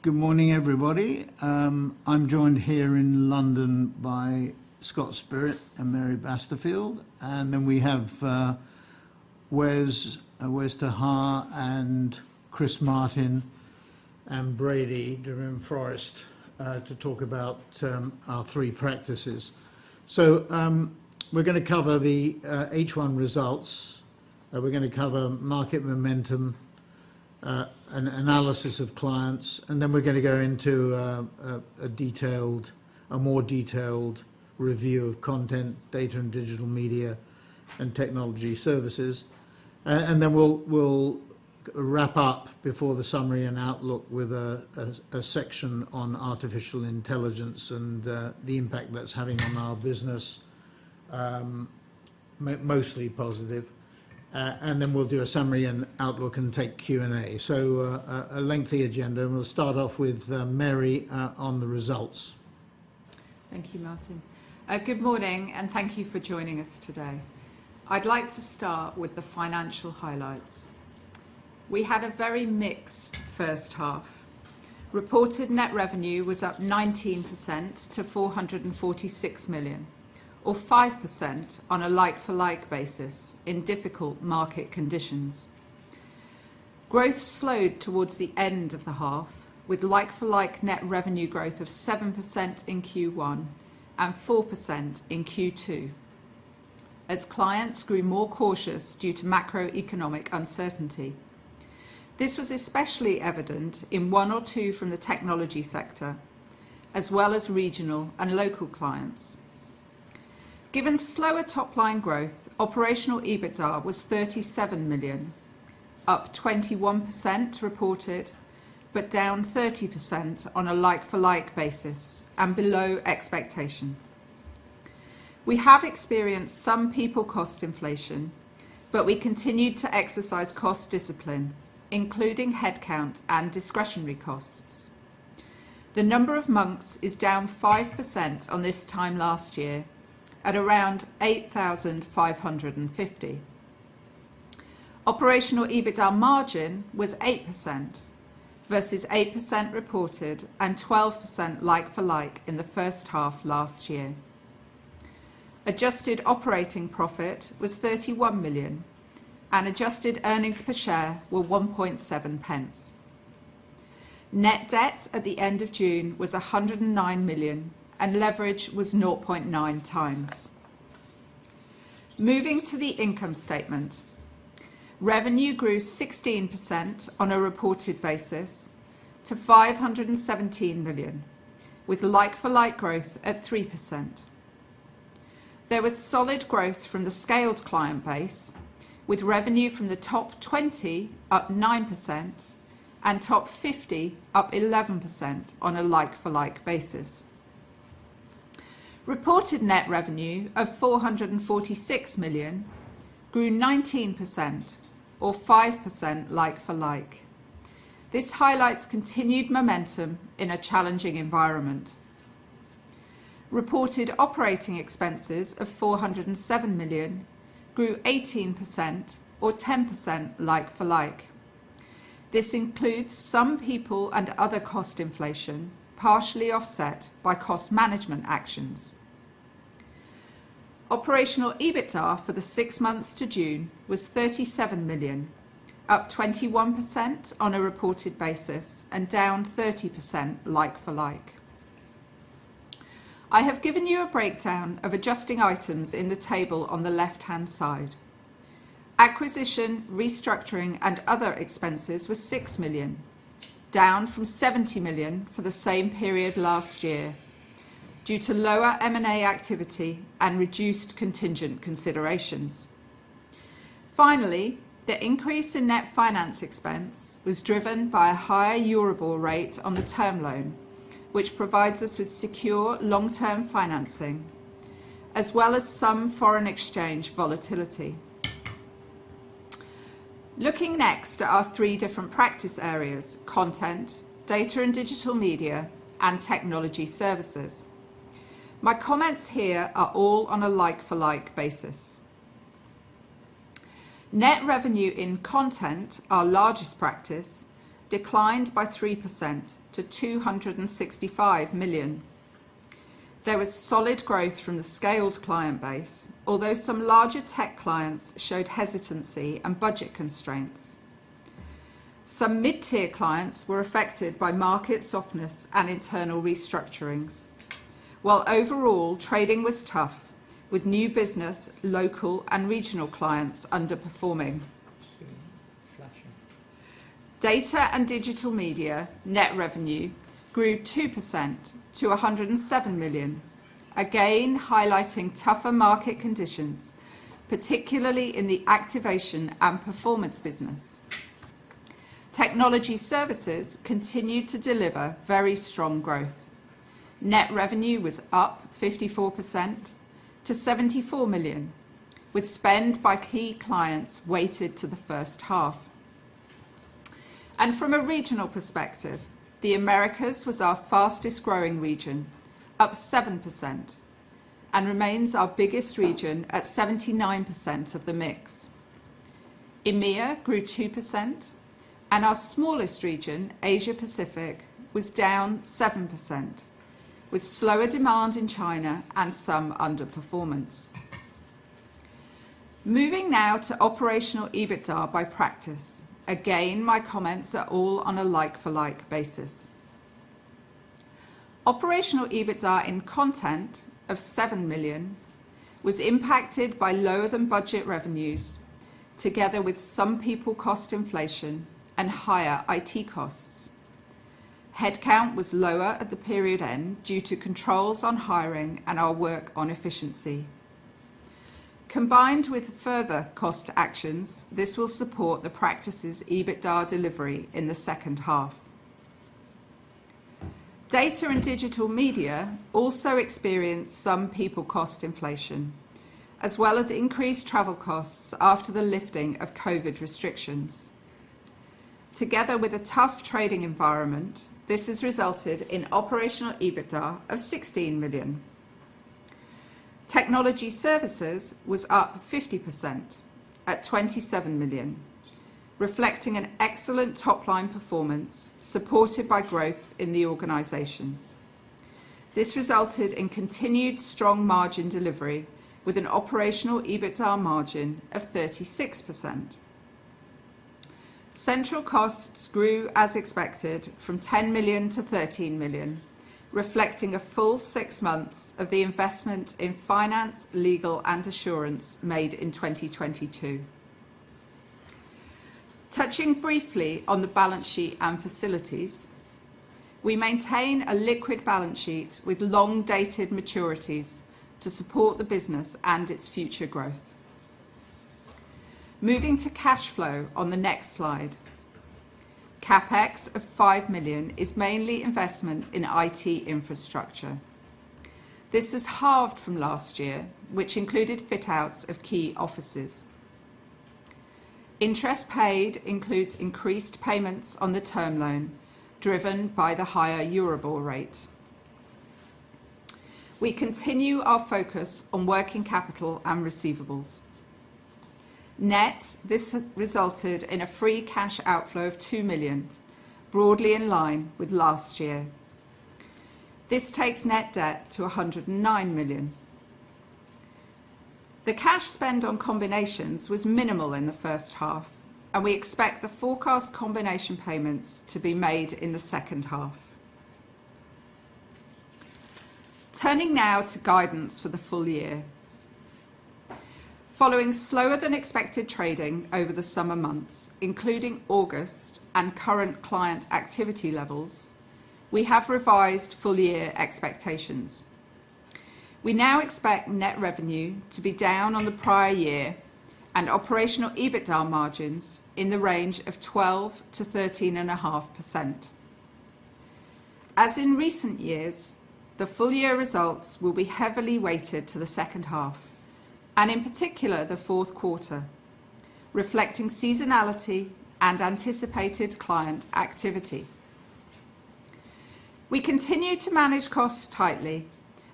Good morning, everybody. I'm joined here in London by Scott Spirit and Mary Basterfield, and then we have Wes ter Haar, and Chris Martin, and Brady Brim-DeForest to talk about our three practices. So, we're gonna cover the H1 results, we're gonna cover market momentum, analysis of clients, and then we're gonna go into a detailed, a more detailed review of content, data and digital media, and technology services. And then we'll wrap up before the summary and outlook with a section on artificial intelligence and the impact that's having on our business. Mostly positive. And then we'll do a summary and outlook, and take Q&A. So, a lengthy agenda, and we'll start off with Mary on the results. Thank you, Martin. Good morning, and thank you for joining us today. I'd like to start with the financial highlights. We had a very mixed first half. Reported net revenue was up 19% to 446 million, or 5% on a like-for-like basis in difficult market conditions. Growth slowed towards the end of the half, with like-for-like net revenue growth of 7% in Q1 and 4% in Q2, as clients grew more cautious due to macroeconomic uncertainty. This was especially evident in one or two from the technology sector, as well as regional and local clients. Given slower top-line growth, operational EBITDA was 37 million, up 21% reported, but down 30% on a like-for-like basis and below expectation. We have experienced some people cost inflation, but we continued to exercise cost discipline, including headcount and discretionary costs. The number of monks is down 5% on this time last year, at around 8,550. Operational EBITDA margin was 8%, versus 8% reported and 12% like-for-like in the first half last year. Adjusted operating profit was 31 million, and adjusted earnings per share were 1.7 pence. Net debt at the end of June was 109 million, and leverage was 0.9x. Moving to the income statement. Revenue grew 16% on a reported basis to 517 million, with like-for-like growth at 3%. There was solid growth from the scaled client base, with revenue from the top 20 up 9% and top 50 up 11% on a like-for-like basis. Reported net revenue of 446 million grew 19% or 5% like-for-like. This highlights continued momentum in a challenging environment. Reported operating expenses of 407 million grew 18% or 10% like-for-like. This includes some people and other cost inflation, partially offset by cost management actions. Operational EBITDA for the six months to June was 37 million, up 21% on a reported basis and down 30% like-for-like. I have given you a breakdown of adjusting items in the table on the left-hand side. Acquisition, restructuring, and other expenses were 6 million, down from 70 million for the same period last year, due to lower M&A activity and reduced contingent considerations. Finally, the increase in net finance expense was driven by a higher Euribor rate on the term loan, which provides us with secure long-term financing, as well as some foreign exchange volatility. Looking next at our three different practice areas: content, data and digital media, and technology services. My comments here are all on a like-for-like basis. Net revenue in content, our largest practice, declined by 3% to 265 million. There was solid growth from the scaled client base, although some larger tech clients showed hesitancy and budget constraints. Some mid-tier clients were affected by market softness and internal restructurings. While overall, trading was tough with new business, local and regional clients underperforming. Flashing. Data and Digital Media net revenue grew 2% to 107 million, again, highlighting tougher market conditions, particularly in the activation and performance business. Technology Services continued to deliver very strong growth. Net revenue was up 54% to 74 million, with spend by key clients weighted to the first half. From a regional perspective, the Americas was our fastest-growing region, up 7%, and remains our biggest region at 79% of the mix. EMEA grew 2%, and our smallest region, Asia Pacific, was down 7%, with slower demand in China and some underperformance. Moving now to operational EBITDA by practice. Again, my comments are all on a like-for-like basis. Operational EBITDA in Content was 7 million, impacted by lower-than-budget revenues, together with some people cost inflation and higher IT costs. Headcount was lower at the period end due to controls on hiring and our work on efficiency. Combined with further cost actions, this will support the practice's EBITDA delivery in the second half. Data and Digital Media also experienced some people cost inflation, as well as increased travel costs after the lifting of COVID restrictions. Together with a tough trading environment, this has resulted in operational EBITDA of 16 million. Technology Services was up 50% at 27 million, reflecting an excellent top-line performance, supported by growth in the organization. This resulted in continued strong margin delivery with an operational EBITDA margin of 36%. Central costs grew as expected from 10 million to 13 million, reflecting a full six months of the investment in finance, legal, and assurance made in 2022. Touching briefly on the balance sheet and facilities, we maintain a liquid balance sheet with long-dated maturities to support the business and its future growth. Moving to cash flow on the next slide. CapEx of 5 million is mainly investment in IT infrastructure. This is halved from last year, which included fit-outs of key offices. Interest paid includes increased payments on the term loan, driven by the higher Euribor rate. We continue our focus on working capital and receivables. Net, this has resulted in a free cash outflow of 2 million, broadly in line with last year. This takes net debt to 109 million. The cash spend on combinations was minimal in the first half, and we expect the forecast combination payments to be made in the second half. Turning now to guidance for the full year. Following slower-than-expected trading over the summer months, including August and current client activity levels, we have revised full-year expectations. We now expect net revenue to be down on the prior year and operational EBITDA margins in the range of 12%-13.5%. As in recent years, the full-year results will be heavily weighted to the second half, and in particular, the fourth quarter, reflecting seasonality and anticipated client activity. We continue to manage costs tightly,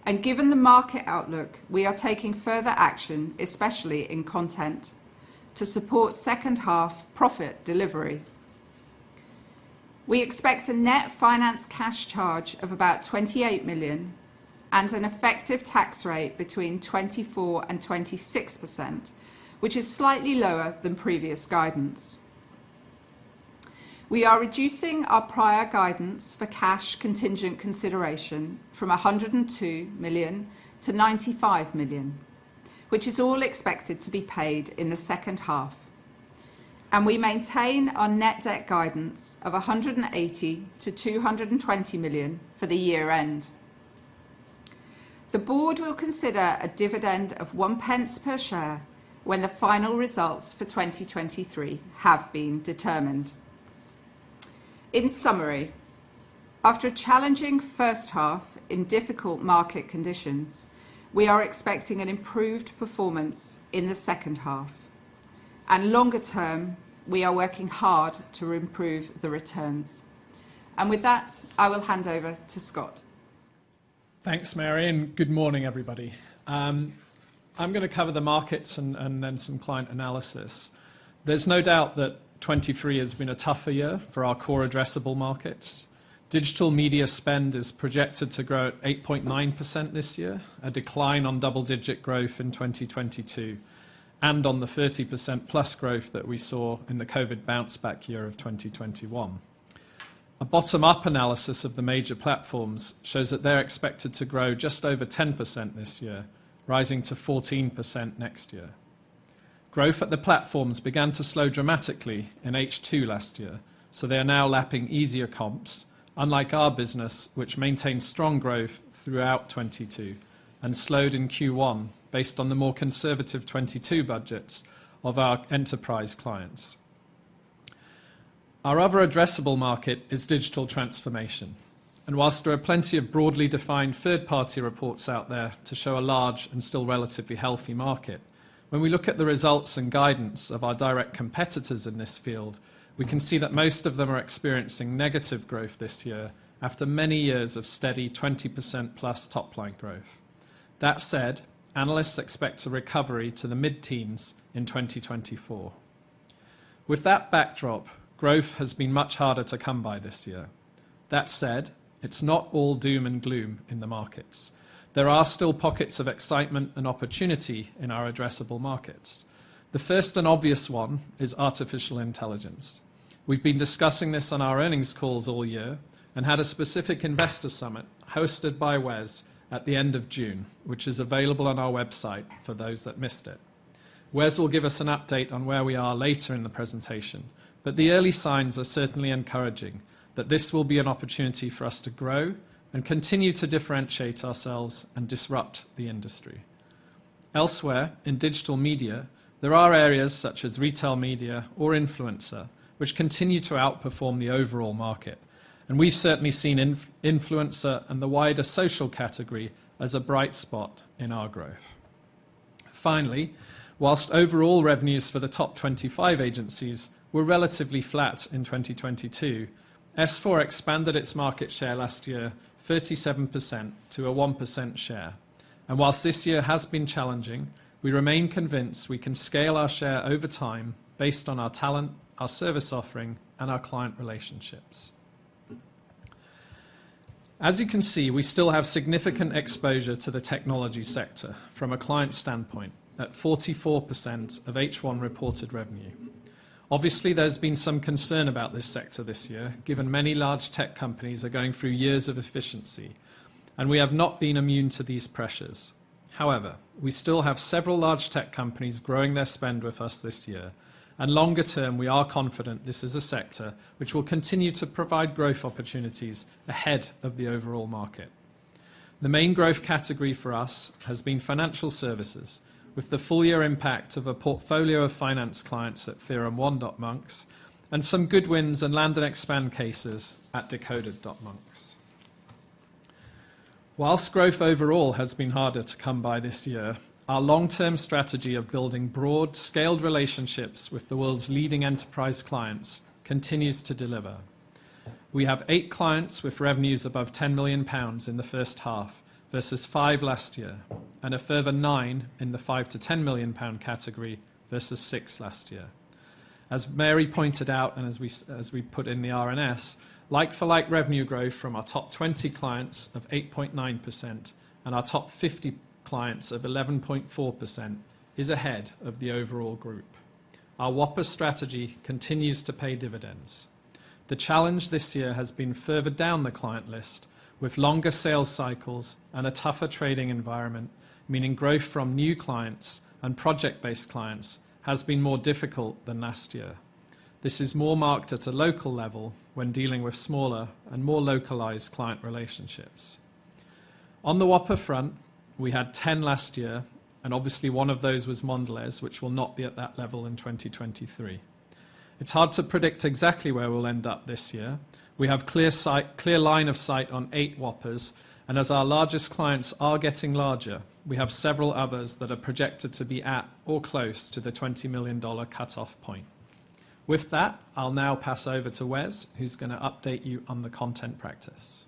and given the market outlook, we are taking further action, especially in content, to support H2 profit delivery. We expect a net finance cash charge of about 28 million and an effective tax rate between 24%-26%, which is slightly lower than previous guidance. We are reducing our prior guidance for cash contingent consideration from 102 million to 95 million, which is all expected to be paid in the second half, and we maintain our net debt guidance of 180 million-220 million for the year end. The board will consider a dividend of 1 pence per share when the final results for 2023 have been determined. In summary, after a challenging H1 in difficult market conditions, we are expecting an improved performance in the H2, and longer term, we are working hard to improve the returns. And with that, I will hand over to Scott. Thanks, Mary, and good morning, everybody. I'm going to cover the markets and, and then some client analysis. There's no doubt that 2023 has been a tougher year for our core addressable markets. Digital media spend is projected to grow at 8.9% this year, a decline on double-digit growth in 2022, and on the 30%+ growth that we saw in the COVID bounce back year of 2021. A bottom-up analysis of the major platforms shows that they're expected to grow just over 10% this year, rising to 14% next year. Growth at the platforms began to slow dramatically in H2 last year, so they are now lapping easier comps, unlike our business, which maintained strong growth throughout 2022 and slowed in Q1 based on the more conservative 2022 budgets of our enterprise clients. Our other addressable market is digital transformation, and while there are plenty of broadly defined third-party reports out there to show a large and still relatively healthy market, when we look at the results and guidance of our direct competitors in this field, we can see that most of them are experiencing negative growth this year after many years of steady 20%+ top-line growth. That said, analysts expect a recovery to the mid-teens in 2024. With that backdrop, growth has been much harder to come by this year. That said, it's not all doom and gloom in the markets. There are still pockets of excitement and opportunity in our addressable markets. The first and obvious one is artificial intelligence. We've been discussing this on our earnings calls all year and had a specific investor summit hosted by Wes at the end of June, which is available on our website for those that missed it. Wes will give us an update on where we are later in the presentation, but the early signs are certainly encouraging that this will be an opportunity for us to grow and continue to differentiate ourselves and disrupt the industry. Elsewhere, in digital media, there are areas such as retail media or influencer, which continue to outperform the overall market, and we've certainly seen in influencer and the wider social category as a bright spot in our growth. Finally, whilst overall revenues for the top 25 agencies were relatively flat in 2022, S4 expanded its market share last year 37% to a 1% share. While this year has been challenging, we remain convinced we can scale our share over time based on our talent, our service offering, and our client relationships. As you can see, we still have significant exposure to the technology sector from a client standpoint, at 44% of H1 reported revenue. Obviously, there's been some concern about this sector this year, given many large tech companies are going through years of efficiency, and we have not been immune to these pressures. However, we still have several large tech companies growing their spend with us this year, and longer term, we are confident this is a sector which will continue to provide growth opportunities ahead of the overall market. The main growth category for us has been financial services, with the full year impact of a portfolio of finance clients at TheoremOne.Monks, and some good wins and land-and-expand cases at Decoded.Monks. While growth overall has been harder to come by this year, our long-term strategy of building broad, scaled relationships with the world's leading enterprise clients continues to deliver. We have eight clients with revenues above 10 million pounds in the first half versus 5 last year, and a further nine in the 5 million-10 million pound category versus 6 last year. As Mary pointed out, and as we put in the RNS, like-for-like revenue growth from our top 20 clients of 8.9% and our top 50 clients of 11.4% is ahead of the overall group. Our Whopper strategy continues to pay dividends. The challenge this year has been further down the client list, with longer sales cycles and a tougher trading environment, meaning growth from new clients and project-based clients has been more difficult than last year. This is more marked at a local level when dealing with smaller and more localized client relationships. On the Whopper front, we had 10 last year, and obviously one of those was Mondelez, which will not be at that level in 2023. It's hard to predict exactly where we'll end up this year. We have clear line of sight on eight Whoppers, and as our largest clients are getting larger, we have several others that are projected to be at or close to the $20 million cutoff point. With that, I'll now pass over to Wes, who's gonna update you on the content practice.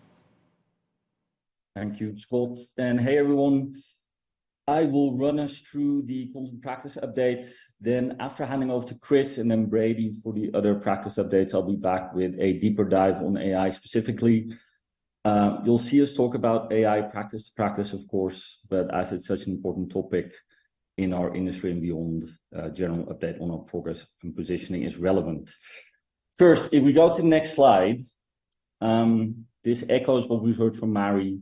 Thank you, Scott, and hey, everyone. I will run us through the content practice update. Then after handing off to Chris and then Brady for the other practice updates, I'll be back with a deeper dive on AI specifically. You'll see us talk about AI practice, of course, but as it's such an important topic in our industry and beyond, a general update on our progress and positioning is relevant. First, if we go to the next slide, this echoes what we've heard from Mary,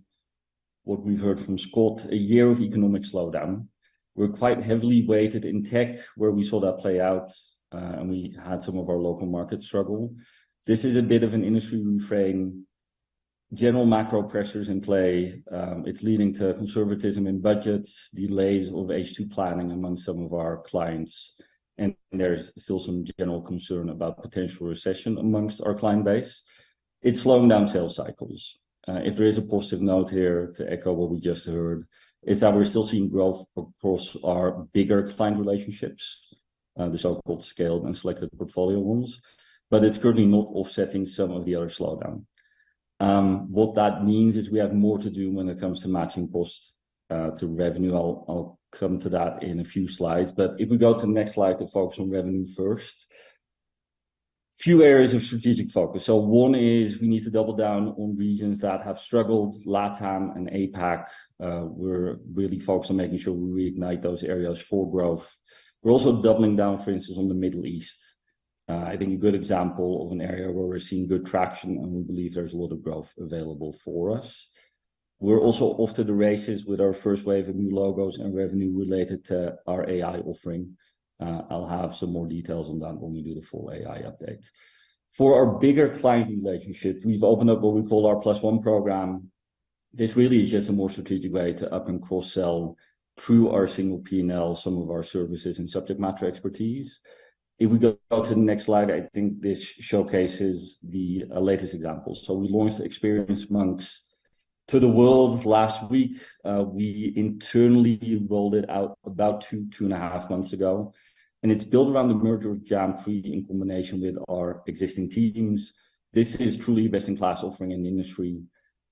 what we've heard from Scott. A year of economic slowdown. We're quite heavily weighted in tech, where we saw that play out, and we had some of our local markets struggle. This is a bit of an industry reframe. General macro pressures in play, it's leading to conservatism in budgets, delays of H2 planning among some of our clients, and there's still some general concern about potential recession amongst our client base. It's slowing down sales cycles. If there is a positive note here, to echo what we just heard, is that we're still seeing growth across our bigger client relationships, the so-called scaled and selected portfolio ones, but it's currently not offsetting some of the other slowdown. What that means is we have more to do when it comes to matching costs to revenue. I'll come to that in a few slides, but if we go to the next slide to focus on revenue first. Few areas of strategic focus. So one is we need to double down on regions that have struggled, LATAM and APAC. We're really focused on making sure we reignite those areas for growth. We're also doubling down, for instance, on the Middle East. I think a good example of an area where we're seeing good traction, and we believe there's a lot of growth available for us. We're also off to the races with our first wave of new logos and revenue related to our AI offering. I'll have some more details on that when we do the full AI update. For our bigger client relationships, we've opened up what we call our Plus One program. This really is just a more strategic way to up and cross-sell through our single P&L, some of our services and subject matter expertise. If we go to the next slide, I think this showcases the latest example. So we launched Experience.Monks to the world last week. We internally rolled it out about 2, 2.5 months ago, and it's built around the merger of Jam3 in combination with our existing teams. This is truly best-in-class offering in the industry.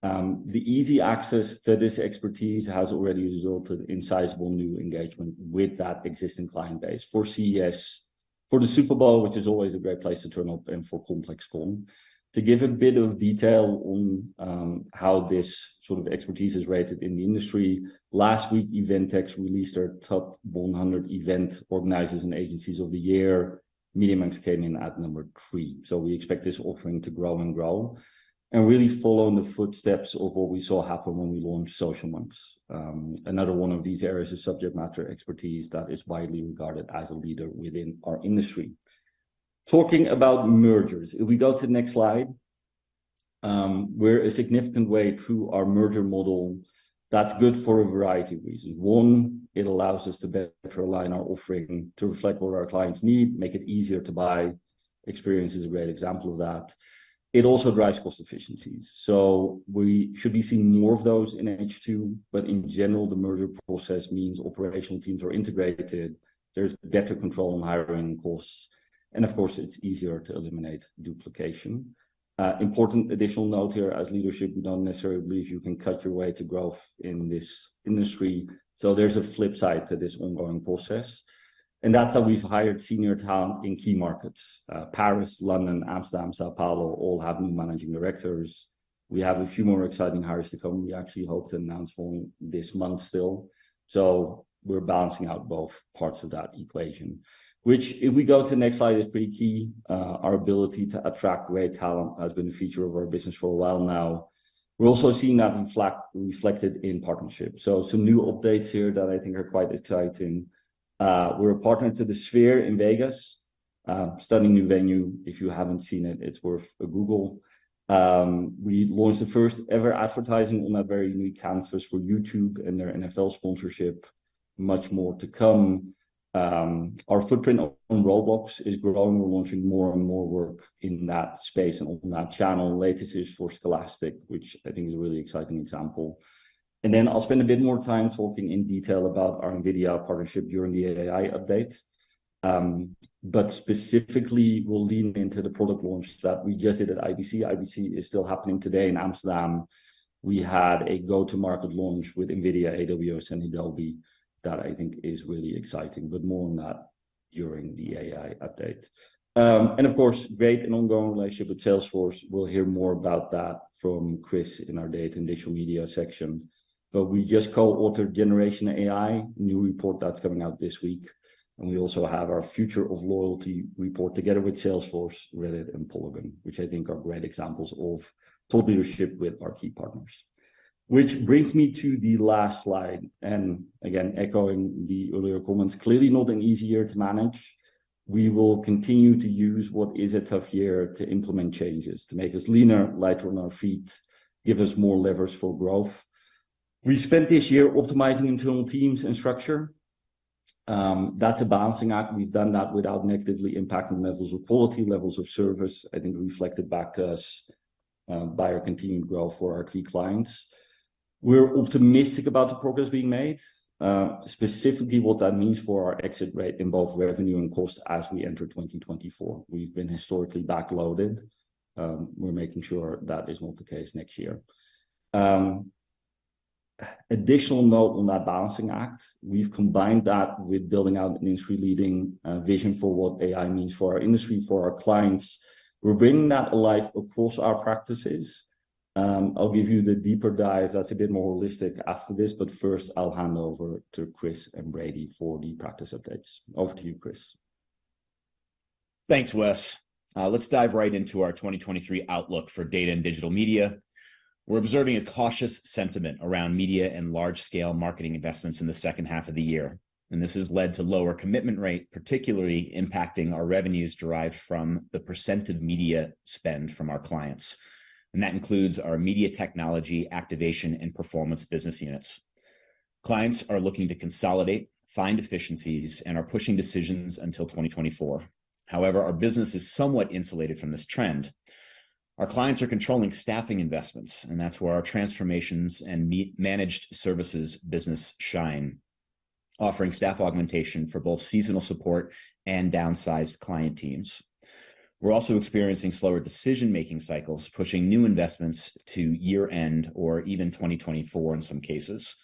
The easy access to this expertise has already resulted in sizable new engagement with that existing client base. For CES for the Super Bowl, which is always a great place to turn up and for ComplexCon. To give a bit of detail on how this sort of expertise is rated in the industry, last week, Eventex released their top 100 event organizers and agencies of the year. Media.Monks came in at number 3, so we expect this offering to grow and grow, and really follow in the footsteps of what we saw happen when we launched Social.Monks. Another one of these areas is subject matter expertise that is widely regarded as a leader within our industry. Talking about mergers, if we go to the next slide, we're a significant way through our merger model. That's good for a variety of reasons. One, it allows us to better align our offering to reflect what our clients need, make it easier to buy. Experience is a great example of that. It also drives cost efficiencies, so we should be seeing more of those in H2. But in general, the merger process means operational teams are integrated, there's better control on hiring costs, and of course, it's easier to eliminate duplication. Important additional note here, as leadership, we don't necessarily believe you can cut your way to growth in this industry, so there's a flip side to this ongoing process, and that's why we've hired senior talent in key markets. Paris, London, Amsterdam, São Paulo, all have new managing directors. We have a few more exciting hires to come. We actually hope to announce one this month still. So we're balancing out both parts of that equation, which if we go to the next slide, is pretty key. Our ability to attract great talent has been a feature of our business for a while now. We're also seeing that reflected in partnerships. So some new updates here that I think are quite exciting. We're a partner to the Sphere in Vegas. Stunning new venue. If you haven't seen it, it's worth a Google. We launched the first-ever advertising on that very unique canvas for YouTube and their NFL sponsorship. Much more to come. Our footprint on Roblox is growing. We're launching more and more work in that space and on that channel. The latest is for Scholastic, which I think is a really exciting example. And then I'll spend a bit more time talking in detail about our NVIDIA partnership during the AI update. But specifically, we'll lean into the product launch that we just did at IBC. IBC is still happening today in Amsterdam. We had a go-to-market launch with NVIDIA, AWS, and Adobe that I think is really exciting, but more on that during the AI update. And of course, great and ongoing relationship with Salesforce. We'll hear more about that from Chris in our Data and Digital Media section. But we just co-authored Generative AI, a new report that's coming out this week, and we also have our Future of Loyalty report together with Salesforce, Reddit, and Polygon, which I think are great examples of thought leadership with our key partners. Which brings me to the last slide, and again, echoing the earlier comments, clearly not an easy year to manage. We will continue to use what is a tough year to implement changes, to make us leaner, lighter on our feet, give us more levers for growth. We spent this year optimizing internal teams and structure. That's a balancing act, and we've done that without negatively impacting levels of quality, levels of service, I think reflected back to us by our continued growth for our key clients. We're optimistic about the progress we made, specifically what that means for our exit rate in both revenue and cost as we enter 2024. We've been historically backloaded. We're making sure that is not the case next year. Additional note on that balancing act, we've combined that with building out an industry-leading vision for what AI means for our industry, for our clients. We're bringing that to life across our practices. I'll give you the deeper dive that's a bit more holistic after this, but first, I'll hand over to Chris and Brady for the practice updates. Over to you, Chris. Thanks, Wes. Let's dive right into our 2023 outlook for data and digital media. We're observing a cautious sentiment around media and large-scale marketing investments in the second half of the year, and this has led to lower commitment rate, particularly impacting our revenues derived from the % of media spend from our clients. That includes our media technology, activation, and performance business units. Clients are looking to consolidate, find efficiencies, and are pushing decisions until 2024. However, our business is somewhat insulated from this trend. Our clients are controlling staffing investments, and that's where our transformations and managed services business shine, offering staff augmentation for both seasonal support and downsized client teams. We're also experiencing slower decision-making cycles, pushing new investments to year-end or even 2024 in some cases.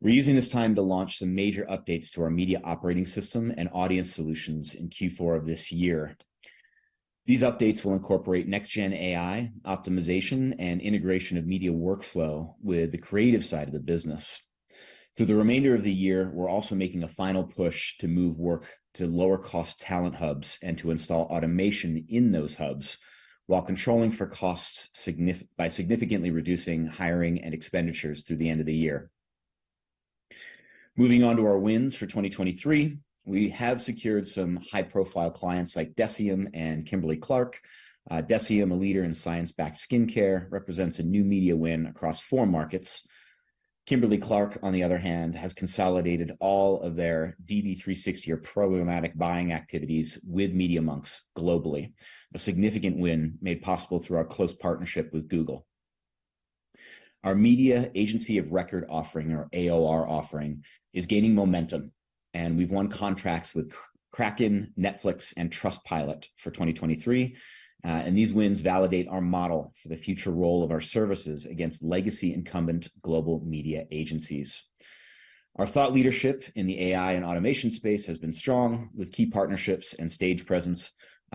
We're using this time to launch some major updates to our media operating system and audience solutions in Q4 of this year. These updates will incorporate next-gen AI, optimization, and integration of media workflow with the creative side of the business. Through the remainder of the year, we're also making a final push to move work to lower-cost talent hubs and to install automation in those hubs, while controlling for costs by significantly reducing hiring and expenditures through the end of the year. Moving on to our wins for 2023, we have secured some high-profile clients like Deciem and Kimberly-Clark. Deciem, a leader in science-backed skincare, represents a new media win across four markets. Kimberly-Clark, on the other hand, has consolidated all of their DSP 360 or programmatic buying activities with Media.Monks globally, a significant win made possible through our close partnership with Google. Our media agency of record offering, or AOR offering, is gaining momentum, and we've won contracts with Kraken, Netflix, and Trustpilot for 2023. And these wins validate our model for the future role of our services against legacy incumbent global media agencies. Our thought leadership in the AI and automation space has been strong, with key partnerships and stage presence.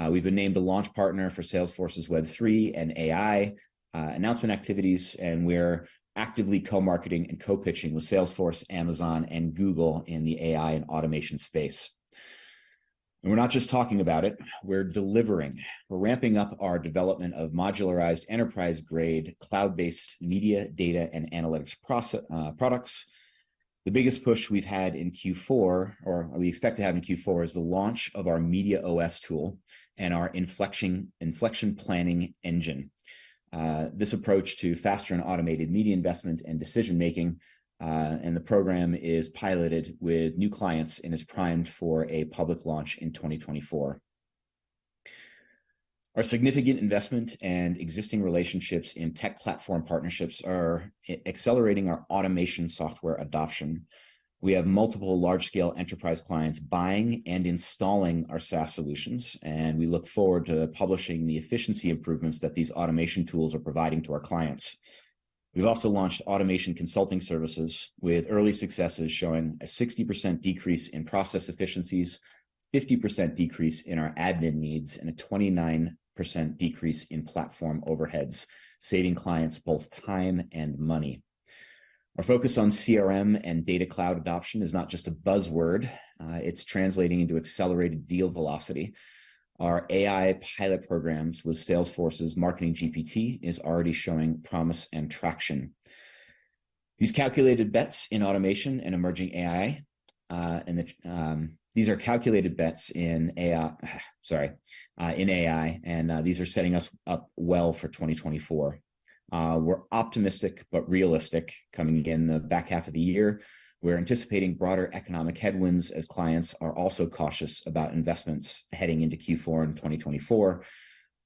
We've been named the launch partner for Salesforce's Web3 and AI announcement activities, and we're actively co-marketing and co-pitching with Salesforce, Amazon, and Google in the AI and automation space. And we're not just talking about it, we're delivering. We're ramping up our development of modularized enterprise-grade, cloud-based media, data, and analytics products. The biggest push we've had in Q4, or we expect to have in Q4, is the launch of our Media OS tool and our Inflection Planning Engine. This approach to faster and automated media investment and decision-making, and the program is piloted with new clients and is primed for a public launch in 2024. Our significant investment and existing relationships in tech platform partnerships are accelerating our automation software adoption. We have multiple large-scale enterprise clients buying and installing our SaaS solutions, and we look forward to publishing the efficiency improvements that these automation tools are providing to our clients. We've also launched automation consulting services, with early successes showing a 60% decrease in process efficiencies, 50% decrease in our admin needs, and a 29% decrease in platform overheads, saving clients both time and money. Our focus on CRM and Data Cloud adoption is not just a buzzword; it's translating into accelerated deal velocity. Our AI pilot programs with Salesforce's Marketing GPT is already showing promise and traction. These are calculated bets in AI, sorry, in AI, and these are setting us up well for 2024. We're optimistic but realistic coming in the back half of the year. We're anticipating broader economic headwinds as clients are also cautious about investments heading into Q4 in 2024.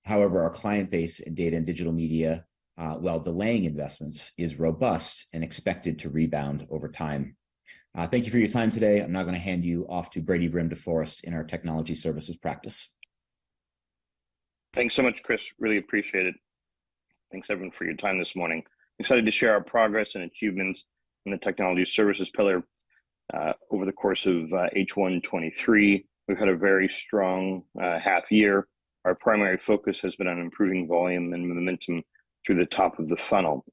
However, our client base in Data and Digital Media, while delaying investments, is robust and expected to rebound over time. Thank you for your time today. I'm now gonna hand you off to Brady Brim-DeForest in our Technology Services practice. Thanks so much, Chris. Really appreciate it. Thanks, everyone, for your time this morning. Excited to share our progress and achievements in the Technology Services pillar. Over the course of H1 in 2023, we've had a very strong half year. Our primary focus has been on improving volume and momentum through the top of the funnel.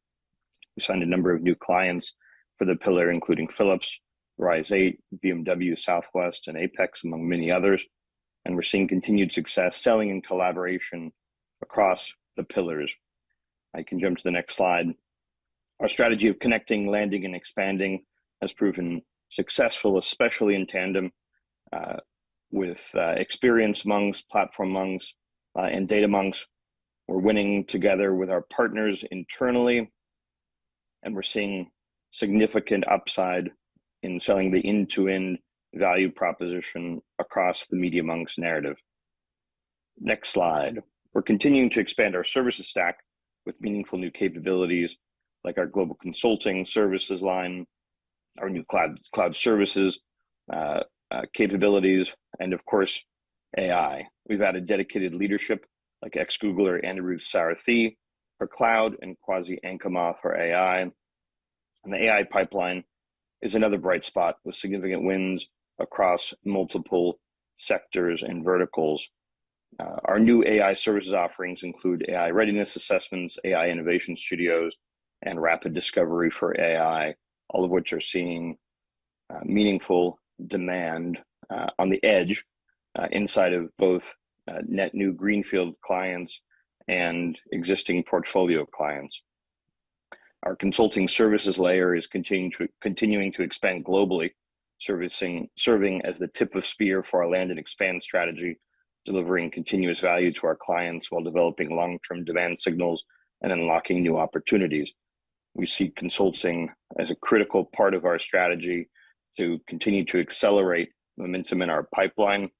We signed a number of new clients for the pillar, including Philips, Rise8, BMW, Southwest, and Apex, among many others, and we're seeing continued success selling in collaboration across the pillars. I can jump to the next slide. Our strategy of connecting, landing, and expanding has proven successful, especially in tandem with Experience.Monks, Platform.Monks, and Data.Monks. We're winning together with our partners internally, and we're seeing significant upside in selling the end-to-end value proposition across the Media.Monks narrative. Next slide. We're continuing to expand our services stack with meaningful new capabilities, like our global consulting services line, our new cloud services capabilities, and of course, AI. We've added dedicated leadership, like ex-Googler Anirudh Sarathy for cloud, and Kwasi Ankomah for AI. The AI pipeline is another bright spot, with significant wins across multiple sectors and verticals. Our new AI services offerings include AI readiness assessments, AI innovation studios, and rapid discovery for AI, all of which are seeing meaningful demand inside of both net new greenfield clients and existing portfolio clients. Our consulting services layer is continuing to expand globally, serving as the tip of spear for our land and expand strategy, delivering continuous value to our clients while developing long-term demand signals and unlocking new opportunities. We see consulting as a critical part of our strategy to continue to accelerate momentum in our pipeline,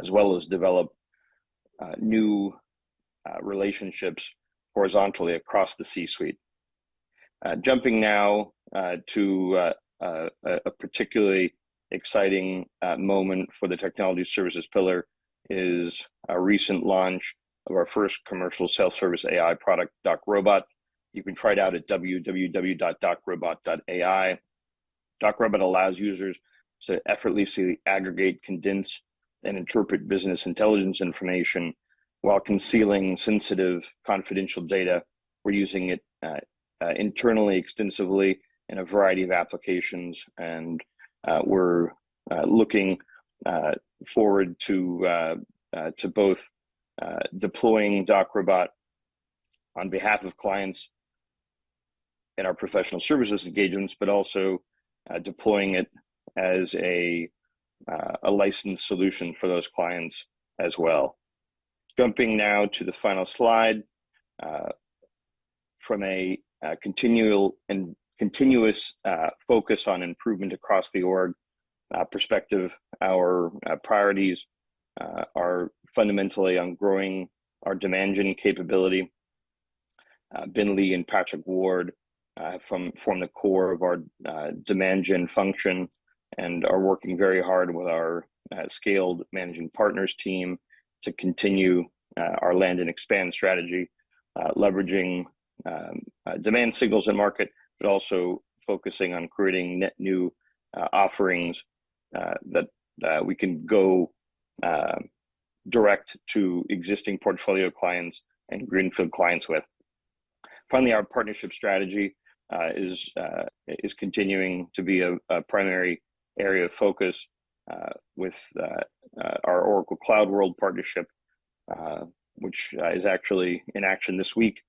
as well as develop new relationships horizontally across the C-suite. Jumping now to a particularly exciting moment for the technology services pillar is our recent launch of our first commercial self-service AI product, DocRobot. You can try it out at www.docrobot.ai. DocRobot allows users to effortlessly aggregate, condense, and interpret business intelligence information while concealing sensitive confidential data. We're using it internally, extensively in a variety of applications, and we're looking forward to both deploying DocRobot on behalf of clients in our professional services engagements, but also deploying it as a licensed solution for those clients as well. Jumping now to the final slide. From a continual and continuous focus on improvement across the org perspective, our priorities are fundamentally on growing our demand gen capability. Ben Lee and Patrick Ward form the core of our demand gen function and are working very hard with our scaled managing partners team to continue our land and expand strategy, leveraging demand signals and market, but also focusing on creating net new offerings that we can go direct to existing portfolio clients and greenfield clients with. Finally, our partnership strategy is continuing to be a primary area of focus with our Oracle CloudWorld partnership, which is actually in action this week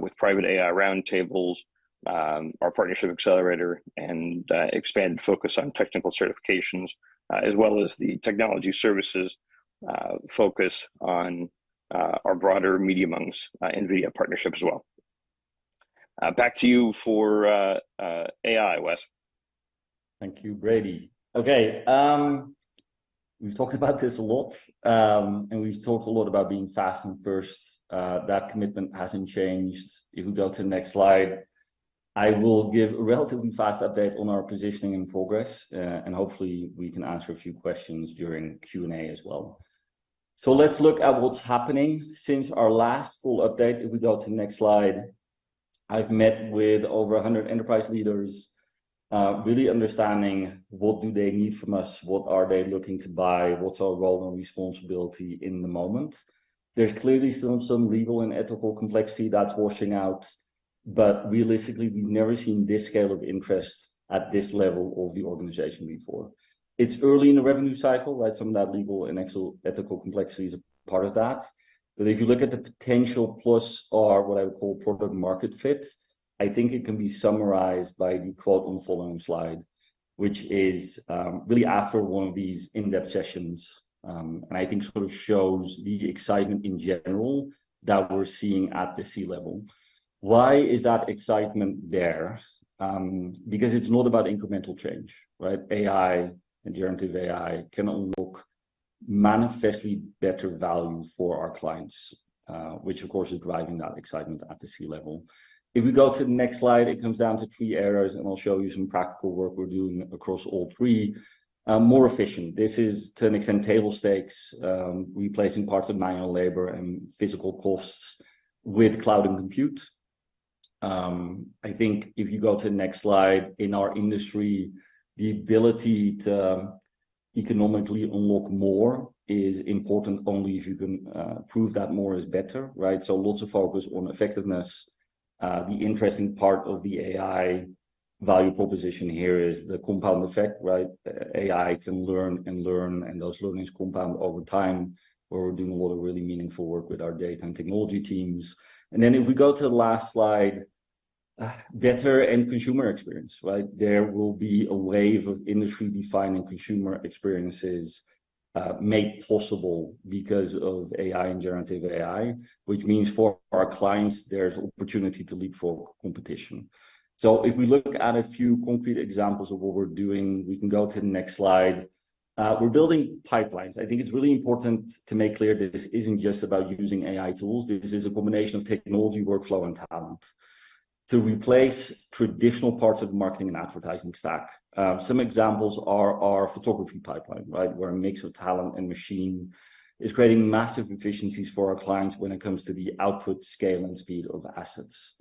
with private AI roundtables, our partnership accelerator, and expanded focus on technical certifications as well as the technology services focus on our broader MediaMonks NVIDIA partnership as well. Back to you for AI, Wes. Thank you, Brady. Okay, we've talked about this a lot, and we've talked a lot about being fast and first. That commitment hasn't changed. If we go to the next slide, I will give a relatively fast update on our positioning and progress, and hopefully we can answer a few questions during Q&A as well. Let's look at what's happening since our last full update. If we go to the next slide. I've met with over 100 enterprise leaders, really understanding what do they need from us? What are they looking to buy? What's our role and responsibility in the moment? There's clearly some, some legal and ethical complexity that's washing out, but realistically, we've never seen this scale of interest at this level of the organization before. It's early in the revenue cycle, right? Some of that legal and ethical complexity is a part of that. But if you look at the potential plus R, what I would call product market fit, I think it can be summarized by the quote on the following slide, which is, really after one of these in-depth sessions, and I think sort of shows the excitement in general that we're seeing at the C-level. Why is that excitement there? Because it's not about incremental change, right? AI and generative AI can unlock manifestly better value for our clients, which of course is driving that excitement at the C-level. If we go to the next slide, it comes down to three areas, and I'll show you some practical work we're doing across all three. More efficient, this is to an extent, table stakes, replacing parts of manual labor and physical costs with cloud and compute. I think if you go to the next slide, in our industry, the ability to economically unlock more is important only if you can prove that more is better, right? So lots of focus on effectiveness. The interesting part of the AI value proposition here is the compound effect, right? AI can learn and learn, and those learnings compound over time. We're doing a lot of really meaningful work with our data and technology teams. And then if we go to the last slide, better end consumer experience, right? There will be a wave of industry-defining consumer experiences, made possible because of AI and generative AI, which means for our clients, there's opportunity to leapfrog competition. So if we look at a few concrete examples of what we're doing, we can go to the next slide. We're building pipelines. I think it's really important to make clear that this isn't just about using AI tools. This is a combination of technology, workflow, and talent to replace traditional parts of marketing and advertising stack. Some examples are our photography pipeline, right? Where a mix of talent and machine is creating massive efficiencies for our clients when it comes to the output, scale, and speed of assets.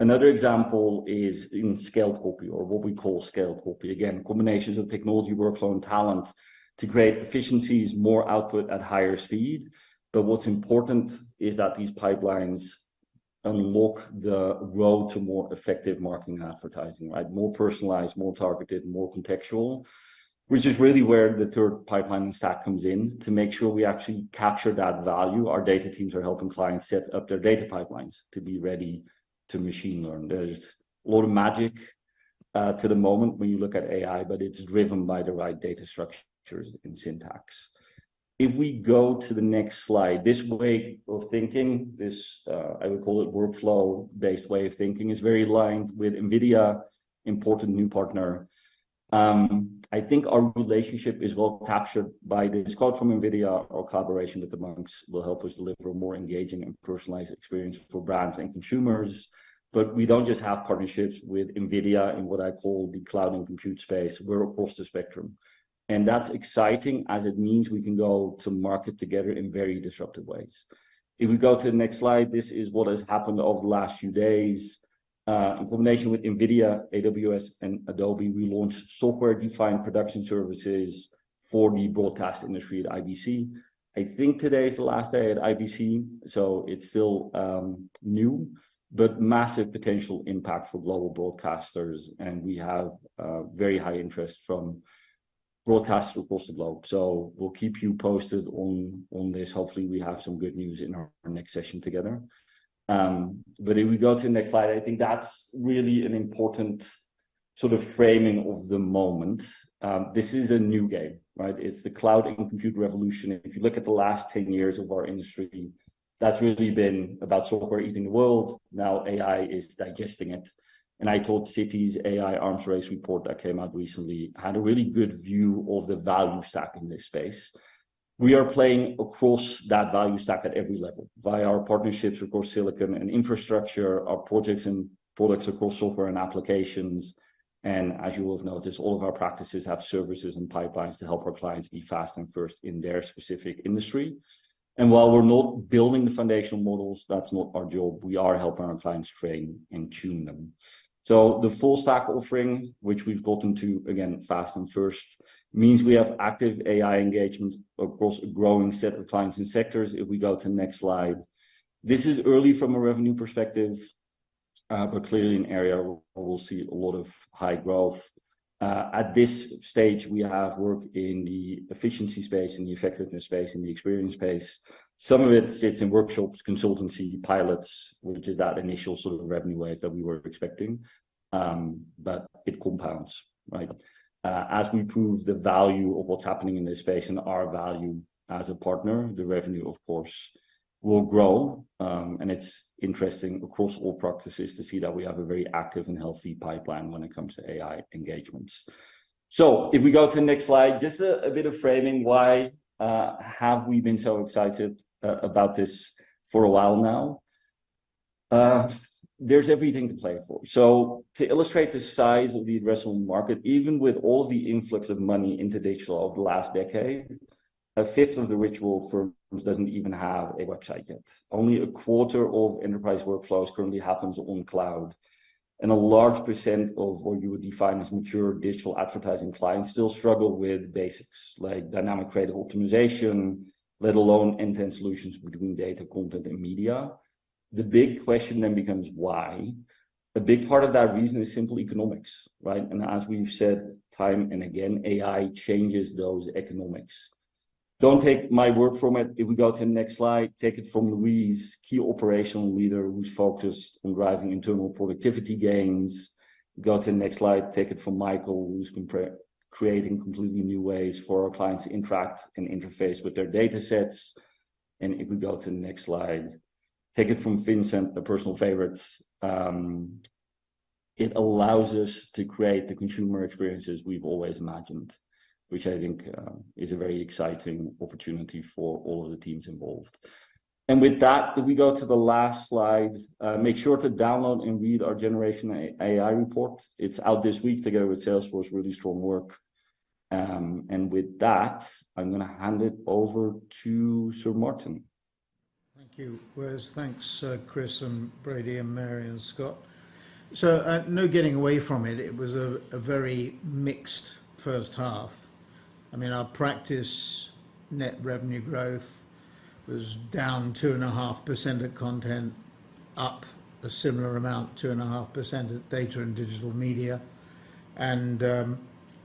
Another example is in scaled copy, or what we call scaled copy. Again, combinations of technology, workflow, and talent to create efficiencies, more output at higher speed. But what's important is that these pipelines unlock the road to more effective marketing and advertising, right? More personalized, more targeted, more contextual, which is really where the third pipeline and stack comes in to make sure we actually capture that value. Our data teams are helping clients set up their data pipelines to be ready to machine learn. There's a lot of magic to the moment when you look at AI, but it's driven by the right data structures and syntax. If we go to the next slide, this way of thinking, this, I would call it workflow-based way of thinking, is very aligned with NVIDIA, important new partner. I think our relationship is well captured by this quote from NVIDIA, "Our collaboration with the Monks will help us deliver a more engaging and personalized experience for brands and consumers." But we don't just have partnerships with NVIDIA in what I call the cloud and compute space. We're across the spectrum, and that's exciting as it means we can go to market together in very disruptive ways. If we go to the next slide, this is what has happened over the last few days. In combination with NVIDIA, AWS, and Adobe, we launched software-defined production services for the broadcast industry at IBC. I think today is the last day at IBC, so it's still new, but massive potential impact for global broadcasters, and we have very high interest from broadcasters across the globe. So we'll keep you posted on this. Hopefully, we have some good news in our next session together. But if we go to the next slide, I think that's really an important sort of framing of the moment. This is a new game, right? It's the cloud and compute revolution, and if you look at the last 10 years of our industry, that's really been about software eating the world. Now AI is digesting it. And I told Citi's AI Arms Race report that came out recently, had a really good view of the value stack in this space. We are playing across that value stack at every level, via our partnerships across silicon and infrastructure, our projects and products across software and applications. And as you will have noticed, all of our practices have services and pipelines to help our clients be fast and first in their specific industry. And while we're not building the foundational models, that's not our job, we are helping our clients train and tune them. So the full stack offering, which we've gotten to, again, fast and first, means we have active AI engagement across a growing set of clients and sectors. If we go to next slide. This is early from a revenue perspective, but clearly an area where we'll see a lot of high growth. At this stage, we have work in the efficiency space, in the effectiveness space, in the experience space. Some of it sits in workshops, consultancy, pilots, which is that initial sort of revenue wave that we were expecting, but it compounds, right? As we prove the value of what's happening in this space and our value as a partner, the revenue, of course, will grow. And it's interesting, across all practices, to see that we have a very active and healthy pipeline when it comes to AI engagements. So if we go to the next slide, just a bit of framing. Why have we been so excited about this for a while now? There's everything to play for. So to illustrate the size of the addressable market, even with all the influx of money into digital over the last decade, a fifth of the ritual firms doesn't even have a website yet. Only a quarter of enterprise workflows currently happens on cloud, and a large percent of what you would define as mature digital advertising clients still struggle with basics like dynamic creative optimization, let alone end-to-end solutions between data, content, and media. The big question then becomes: why? A big part of that reason is simple economics, right? And as we've said time and again, AI changes those economics. Don't take my word for it. If we go to the next slide, take it from Louise, key operational leader who's focused on driving internal productivity gains. Go to the next slide. Take it from Michael, who's been creating completely new ways for our clients to interact and interface with their datasets. And if we go to the next slide, take it from Vincent, a personal favorite. "It allows us to create the consumer experiences we've always imagined," which I think is a very exciting opportunity for all of the teams involved. And with that, if we go to the last slide, make sure to download and read our Generative AI report. It's out this week together with Salesforce. Really strong work. And with that, I'm gonna hand it over to Sir Martin. Thank you, Wes. Thanks, Chris, and Brady, and Mary, and Scott. So, no getting away from it. It was a very mixed first half. I mean, our practice net revenue growth was down 2.5% at Content, up a similar amount, 2.5%, at Data and Digital Media. And,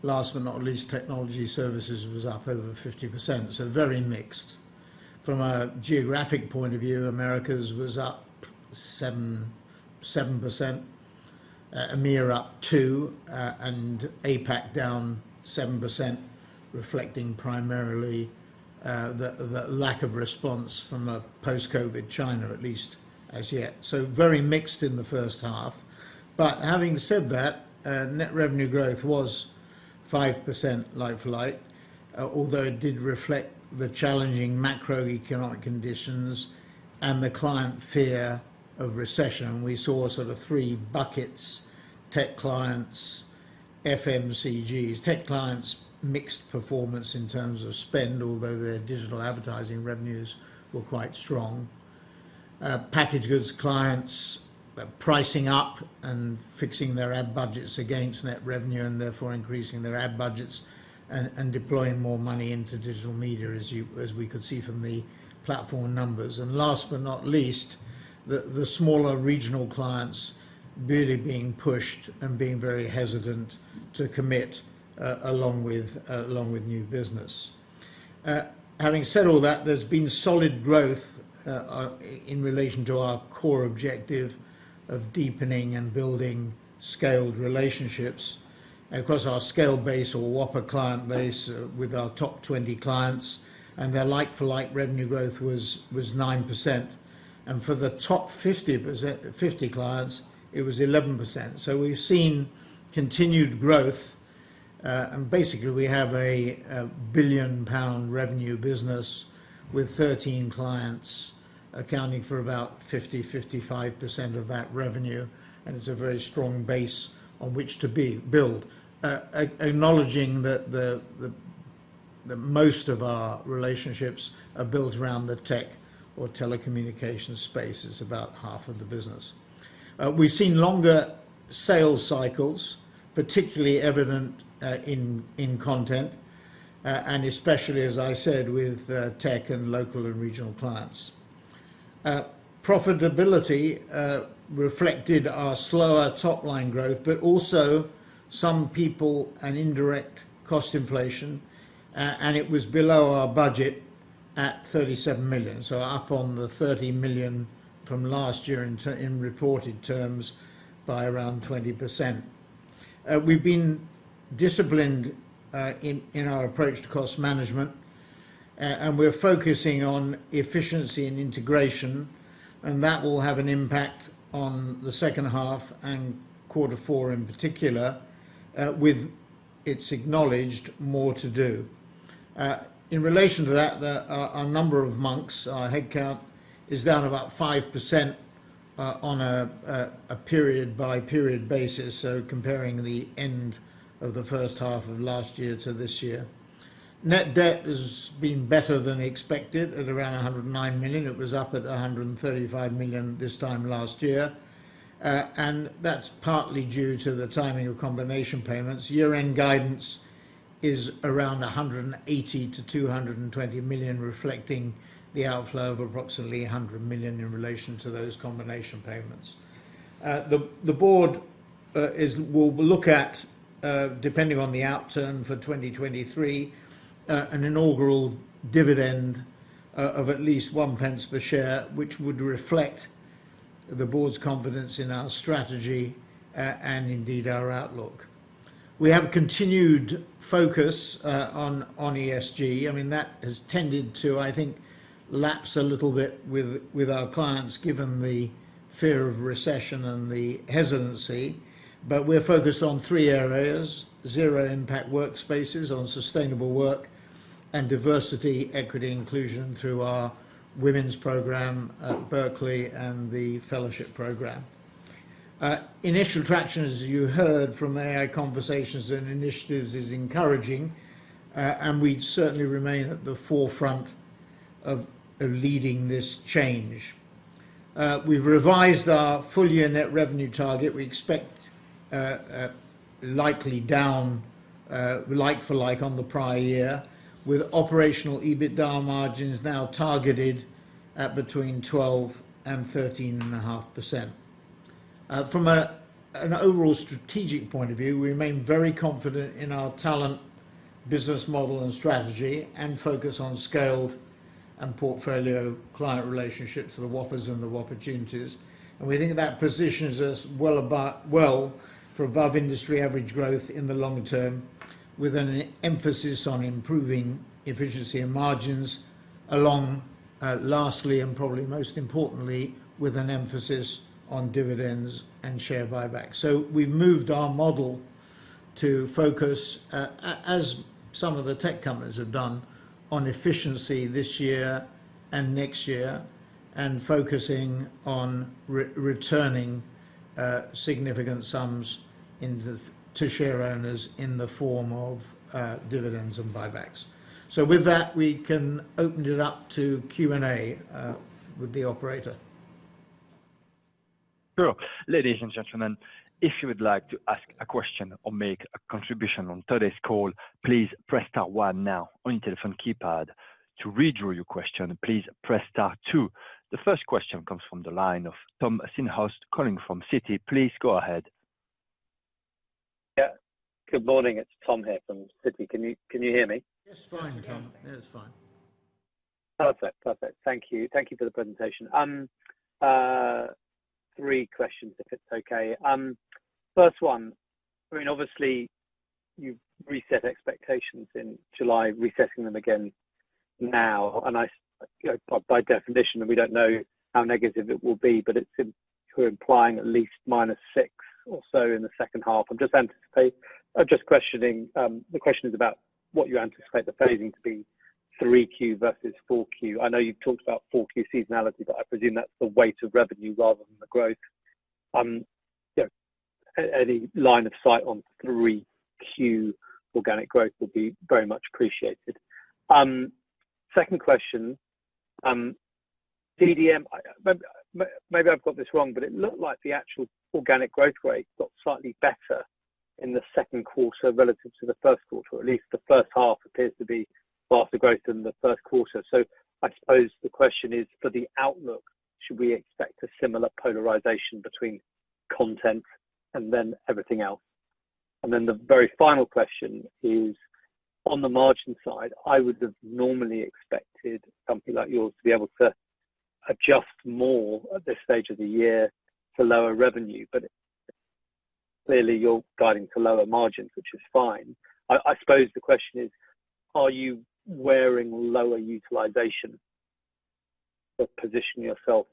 last but not least, Technology Services was up over 50%, so very mixed. From a geographic point of view, Americas was up 7%, EMEA up 2%, and APAC down 7%, reflecting primarily the lack of response from a post-COVID China, at least as yet. So very mixed in the first half. But having said that, net revenue growth was 5% like-for-like, although it did reflect the challenging macroeconomic conditions and the client fear of recession. We saw sort of three buckets: tech clients, FMCGs. Tech clients, mixed performance in terms of spend, although their digital advertising revenues were quite strong. Packaged goods clients, pricing up and fixing their ad budgets against net revenue, and therefore increasing their ad budgets and deploying more money into digital media, as we could see from the platform numbers. And last but not least, the smaller regional clients really being pushed and being very hesitant to commit, along with new business. Having said all that, there's been solid growth in relation to our core objective of deepening and building scaled relationships. Across our scaled base or Whopper client base, with our top 20 clients, and their like-for-like revenue growth was 9%, and for the top 50 clients, it was 11%. So we've seen continued growth, and basically, we have a 1 billion pound revenue business with 13 clients, accounting for about 50-55% of that revenue, and it's a very strong base on which to build. Acknowledging that most of our relationships are built around the tech or telecommunications space, is about half of the business. We've seen longer sales cycles, particularly evident in content, and especially, as I said, with tech and local and regional clients. Profitability reflected our slower top-line growth, but also some people and indirect cost inflation, and it was below our budget at 37 million. So up on the 30 million from last year in reported terms by around 20%. We've been disciplined in our approach to cost management, and we're focusing on efficiency and integration, and that will have an impact on the second half and quarter four in particular, with it's acknowledged more to do. In relation to that, our headcount is down about 5% on a period-by-period basis, so comparing the end of the first half of last year to this year. Net debt has been better than expected at around 109 million. It was up at 135 million this time last year, and that's partly due to the timing of combination payments. Year-end guidance is around 180 million-220 million, reflecting the outflow of approximately 100 million in relation to those combination payments. The board will look at, depending on the outturn for 2023, an inaugural dividend of at least one pence per share, which would reflect the board's confidence in our strategy and indeed, our outlook. We have continued focus on ESG. I mean, that has tended to, I think, lapse a little bit with our clients, given the fear of recession and the hesitancy. But we're focused on three areas: zero impact workspaces, on sustainable work, and diversity, equity, and inclusion through our women's program at Berkeley and the fellowship program. Initial traction, as you heard from AI conversations and initiatives, is encouraging and we certainly remain at the forefront of leading this change. We've revised our full-year net revenue target. We expect likely down Like-for-Like on the prior year, with operational EBITDA margins now targeted at between 12%-13.5%. From an overall strategic point of view, we remain very confident in our talent, business model, and strategy, and focus on scaled and portfolio client relationships, the Whoppers and the Whopportunities. We think that positions us well for above industry average growth in the long term, with an emphasis on improving efficiency and margins, lastly, and probably most importantly, with an emphasis on dividends and share buybacks. We've moved our model to focus, as some of the tech companies have done, on efficiency this year and next year, and focusing on returning significant sums to share owners in the form of dividends and buybacks. With that, we can open it up to Q&A, with the operator. Sure. Ladies and gentlemen, if you would like to ask a question or make a contribution on today's call, please press star one now on your telephone keypad. To withdraw your question, please press star two. The first question comes from the line of Tom Sherlock, calling from Citi. Please go ahead. Yeah. Good morning, it's Tom here from Citi. Can you, can you hear me? Just fine, Tom. Yes. Yeah, it's fine. Perfect. Perfect. Thank you. Thank you for the presentation. Three questions, if it's okay. First one, I mean, obviously, you've reset expectations in July, resetting them again now, and I. By definition, we don't know how negative it will be, but it seems you're implying at least minus 6 or so in the second half. I'm just questioning the question is about what you anticipate the phasing to be 3Q versus 4Q. I know you've talked about 4Q seasonality, but I presume that's the weight of revenue rather than the growth. Yeah, any line of sight on 3Q organic growth would be very much appreciated. Second question, DDM, maybe I've got this wrong, but it looked like the actual organic growth rate got slightly better in the second quarter relative to the first quarter, or at least the first half appears to be faster growth than the first quarter. So I suppose the question is, for the outlook, should we expect a similar polarization between content and then everything else? And then the very final question is, on the margin side, I would have normally expected a company like yours to be able to adjust more at this stage of the year to lower revenue, but clearly, you're guiding to lower margins, which is fine. I suppose the question is: Are you wearing lower utilization but positioning yourself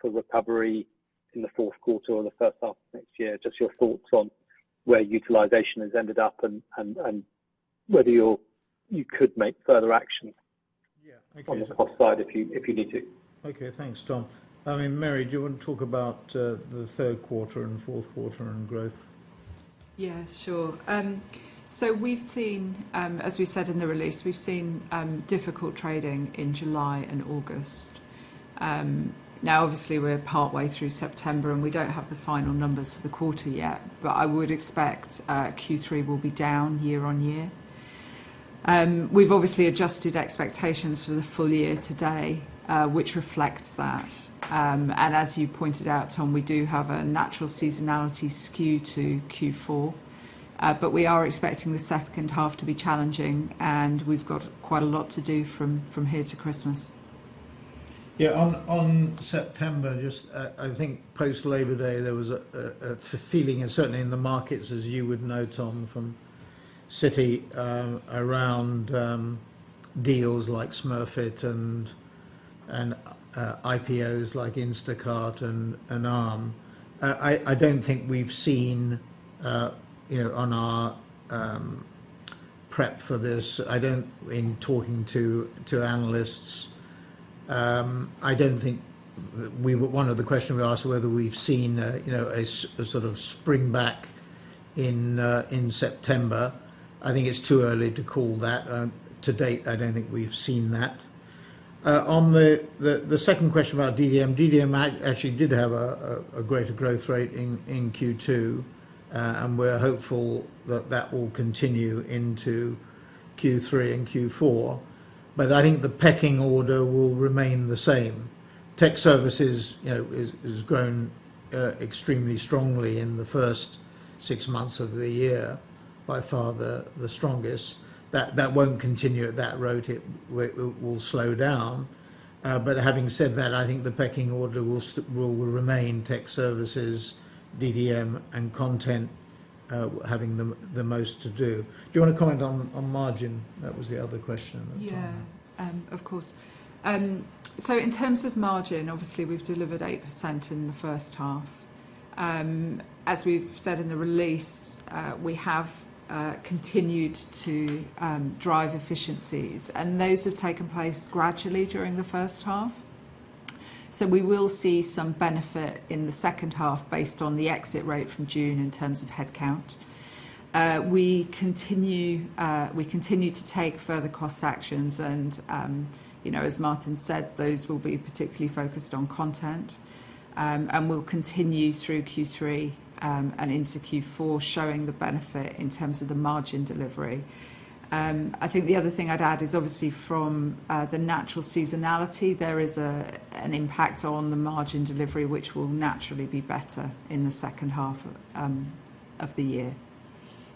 for recovery in the fourth quarter or the first half of next year? Just your thoughts on where utilization has ended up and whether you'll, you could make further actions? Yeah. Thank you. On the cost side if you, if you need to. Okay, thanks, Tom. I mean, Mary, do you want to talk about the third quarter and fourth quarter and growth? Yeah, sure. So we've seen. As we said in the release, we've seen difficult trading in July and August. Now, obviously, we're partway through September, and we don't have the final numbers for the quarter yet, but I would expect Q3 will be down year-on-year. We've obviously adjusted expectations for the full year today, which reflects that. And as you pointed out, Tom, we do have a natural seasonality skew to Q4. But we are expecting the second half to be challenging, and we've got quite a lot to do from here to Christmas. Yeah, on September, just, I think post-Labor Day, there was a feeling, and certainly in the markets, as you would know, Tom, from Citi, around deals like Smurfit and IPOs like Instacart and Arm. I don't think we've seen, you know, on our prep for this. I don't, in talking to analysts, I don't think we-- One of the questions we asked, whether we've seen a, you know, a sort of spring back in September. I think it's too early to call that. To date, I don't think we've seen that. On the second question about DDM. DDM actually did have a greater growth rate in Q2, and we're hopeful that that will continue into Q3 and Q4. But I think the pecking order will remain the same. Tech services, you know, has grown extremely strongly in the first six months of the year, by far the strongest. That won't continue at that rate. It will slow down. But having said that, I think the pecking order will remain tech services, DDM, and content having the most to do. Do you want to comment on margin? That was the other question at the time. Yeah, of course. So in terms of margin, obviously, we've delivered 8% in the first half. As we've said in the release, we have continued to drive efficiencies, and those have taken place gradually during the first half. So we will see some benefit in the second half based on the exit rate from June in terms of headcount. We continue to take further cost actions, and, you know, as Martin said, those will be particularly focused on content. And will continue through Q3 and into Q4, showing the benefit in terms of the margin delivery. I think the other thing I'd add is, obviously, from the natural seasonality, there is an impact on the margin delivery, which will naturally be better in the second half of the year.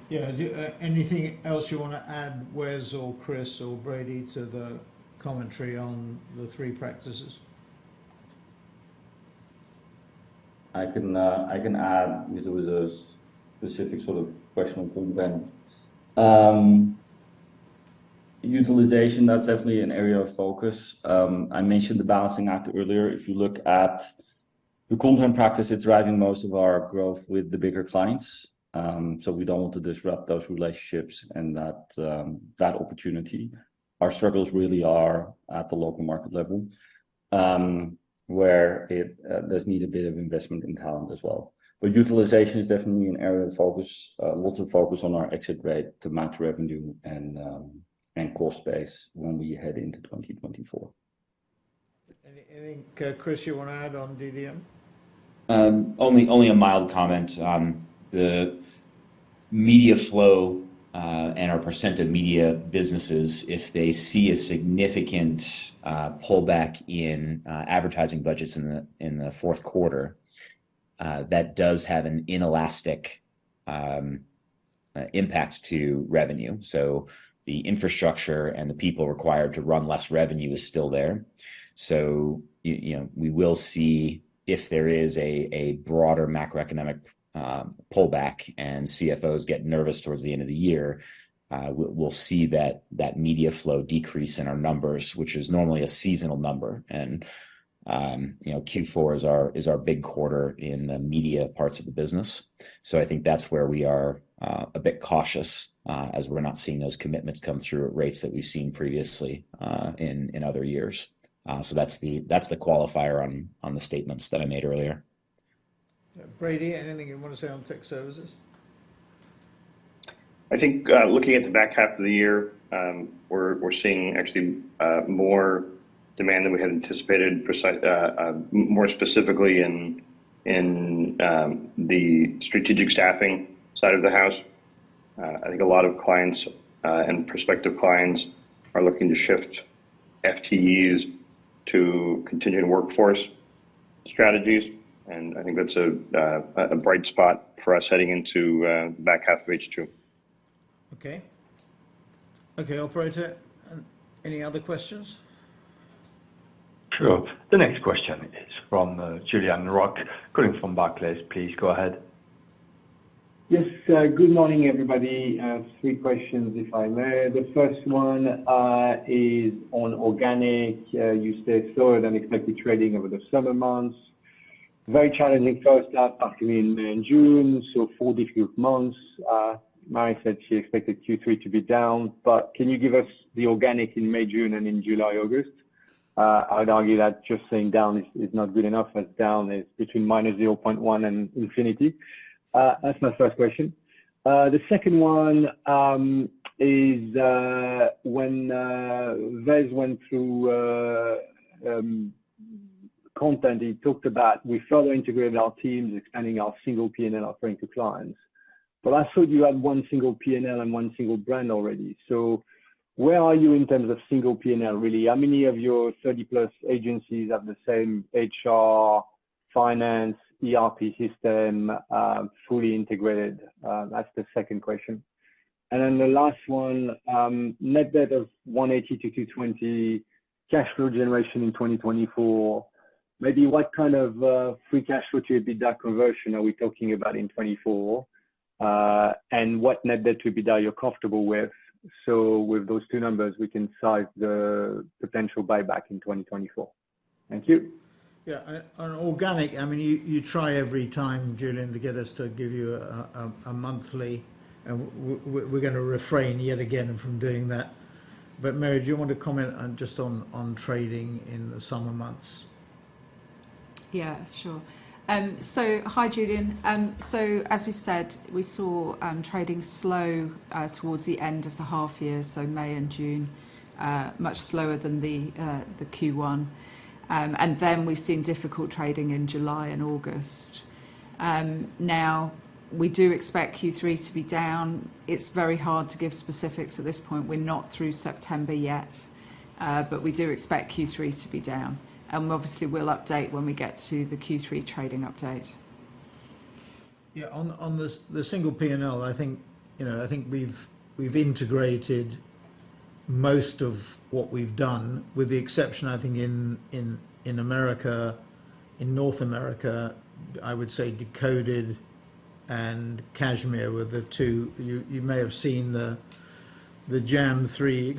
Yeah, anything else you want to add, Wes or Chris or Brady, to the commentary on the three practices? I can, I can add, because it was a specific sort of question from Ben. Utilization, that's definitely an area of focus. I mentioned the balancing act earlier. If you look at the content practice, it's driving most of our growth with the bigger clients. So we don't want to disrupt those relationships and that, that opportunity. Our struggles really are at the local market level, where it does need a bit of investment in talent as well. But utilization is definitely an area of focus. Lots of focus on our exit rate to match revenue and, and cost base when we head into 2024. Anything, Chris, you want to add on DDM? Only a mild comment. The media flow and our percent of media businesses, if they see a significant pullback in advertising budgets in the fourth quarter, that does have an inelastic impact to revenue. So the infrastructure and the people required to run less revenue is still there. You know, we will see if there is a broader macroeconomic pullback and CFOs get nervous towards the end of the year, we'll see that media flow decrease in our numbers, which is normally a seasonal number. And, you know, Q4 is our big quarter in the media parts of the business. So I think that's where we are, a bit cautious, as we're not seeing those commitments come through at rates that we've seen previously, in other years. So that's the qualifier on the statements that I made earlier. Yeah. Brady, anything you want to say on tech services? I think, looking at the back half of the year, we're seeing actually more demand than we had anticipated, more specifically in the strategic staffing side of the house. I think a lot of clients and prospective clients are looking to shift FTEs to continued workforce strategies, and I think that's a bright spot for us heading into the back half of H2. Okay. Okay, operator, any other questions? Sure. The next question is from, Julien Roch, coming from Barclays. Please go ahead. Yes, good morning, everybody. I have three questions, if I may. The first one is on organic. You said slower than expected trading over the summer months. Very challenging first half after in June, so four difficult months. Marie said she expected Q3 to be down, but can you give us the organic in May, June, and in July, August? I'd argue that just saying down is not good enough, but down is between -0.1 and infinity. That's my first question. The second one is when Wes went through content, he talked about, "We further integrated our teams, expanding our single P&L offering to clients." But I saw you had one single P&L and one single brand already. So where are you in terms of single P&L, really? How many of your 30-plus agencies have the same HR, finance, ERP system, fully integrated? That's the second question. And then the last one, net debt of 180-220, cash flow generation in 2024, maybe what kind of, free cash flow to EBITDA conversion are we talking about in 2024? And what net debt to EBITDA you're comfortable with? So with those two numbers, we can size the potential buyback in 2024. Thank you. Yeah, and on organic, I mean, you try every time, Julian, to get us to give you a monthly, and we're gonna refrain yet again from doing that. But Mary, do you want to comment on just on trading in the summer months? Yeah, sure. So hi, Julien. So as we've said, we saw trading slow towards the end of the half year, so May and June much slower than the Q1. And then we've seen difficult trading in July and August. Now, we do expect Q3 to be down. It's very hard to give specifics at this point. We're not through September yet, but we do expect Q3 to be down. And obviously, we'll update when we get to the Q3 trading update. Yeah, on the single P&L, I think, you know, I think we've integrated most of what we've done, with the exception, I think, in America. In North America, I would say Decoded and Cashmere were the two... You may have seen the Jam3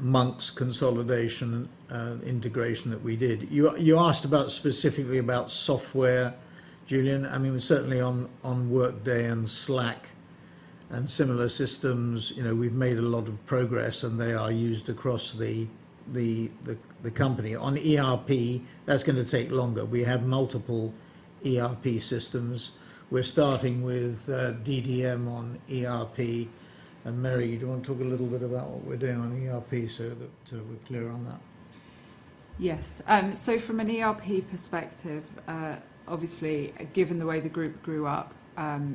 Experience.Monks consolidation and integration that we did. You asked about, specifically about software, Julian. I mean, certainly on Workday and Slack and similar systems, you know, we've made a lot of progress, and they are used across the company. On ERP, that's gonna take longer. We have multiple ERP systems. We're starting with DDM on ERP. And Mary, do you wanna talk a little bit about what we're doing on ERP so that we're clear on that? Yes. So from an ERP perspective, obviously, given the way the group grew up,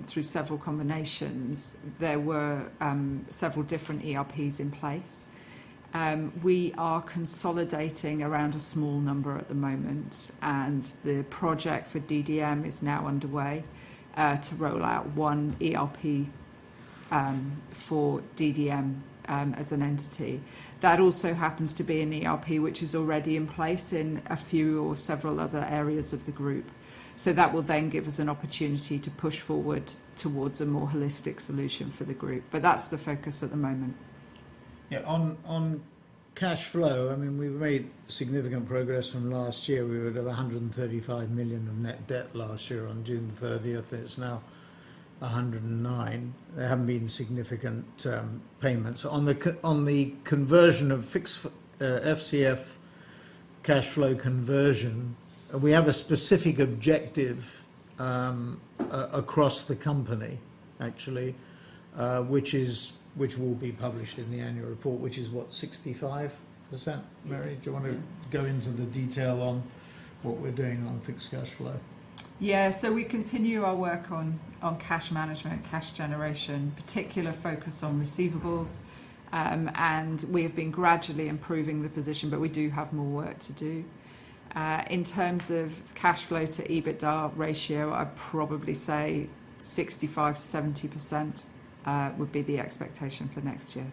through several combinations, there were, several different ERPs in place. We are consolidating around a small number at the moment, and the project for DDM is now underway, to roll out one ERP, for DDM, as an entity. That also happens to be an ERP, which is already in place in a few or several other areas of the group. So that will then give us an opportunity to push forward towards a more holistic solution for the group. But that's the focus at the moment. Yeah, on cash flow, I mean, we've made significant progress from last year. We were at 135 million of net debt last year on June 30th. It's now 109 million. There haven't been significant payments. On the conversion of fixed FCF cash flow conversion, we have a specific objective across the company, actually, which will be published in the annual report, which is, what? 65%. Yeah. Mary, do you want to go into the detail on what we're doing on fixed cash flow? Yeah. So we continue our work on cash management, cash generation, particular focus on receivables. And we have been gradually improving the position, but we do have more work to do. In terms of cash flow to EBITDA ratio, I'd probably say 65%-70% would be the expectation for next year.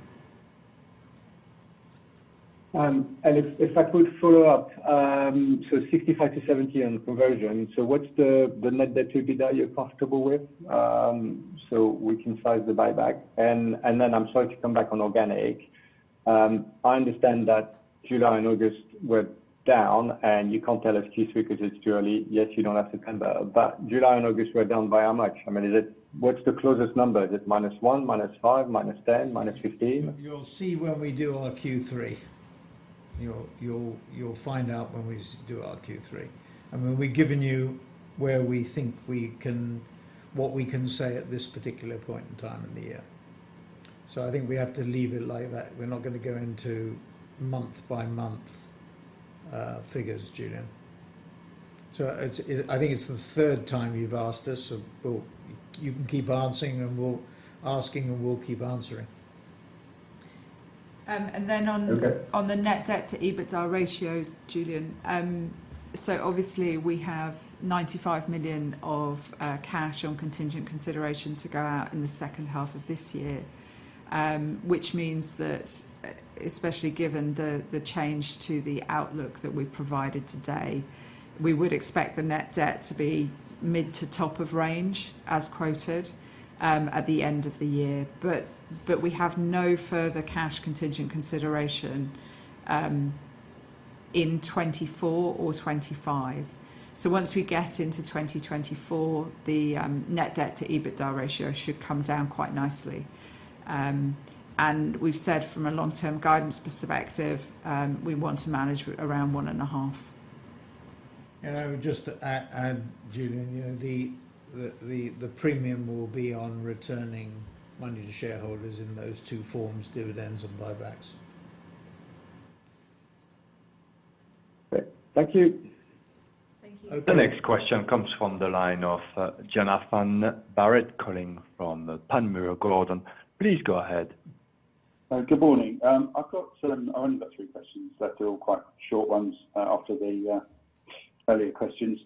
And if I could follow up, so 65-70 on conversion. So what's the net debt to EBITDA you're comfortable with? So we can size the buyback. And then I'm sorry to come back on organic. I understand that July and August were down, and you can't tell us Q3 because it's too early. Yet you know that September... But July and August were down by how much? I mean, what's the closest number? Is it -1, -5, -10, -15? You'll see when we do our Q3. You'll find out when we do our Q3. I mean, we've given you where we think we can... What we can say at this particular point in time in the year. So I think we have to leave it like that. We're not gonna go into month-by-month figures, Julian. So it's, I think it's the third time you've asked us, so, well, you can keep asking, and we'll keep answering. And then on- Okay.... on the net debt to EBITDA ratio, Julian. So obviously, we have 95 million of cash on contingent consideration to go out in the second half of this year. Which means that, especially given the change to the outlook that we've provided today, we would expect the net debt to be mid to top of range, as quoted, at the end of the year. But we have no further cash contingent consideration in 2024 or 2025. So once we get into 2024, the net debt to EBITDA ratio should come down quite nicely. And we've said from a long-term guidance perspective, we want to manage around 1.5. I would just to add, Julian, you know, the premium will be on returning money to shareholders in those two forms, dividends and buybacks. Thank you. Thank you. The next question comes from the line of Jonathan Barrett, calling from the Panmure Gordon. Please go ahead. Good morning. I've got some-- I've only got three questions, but they're all quite short ones, after the earlier questions.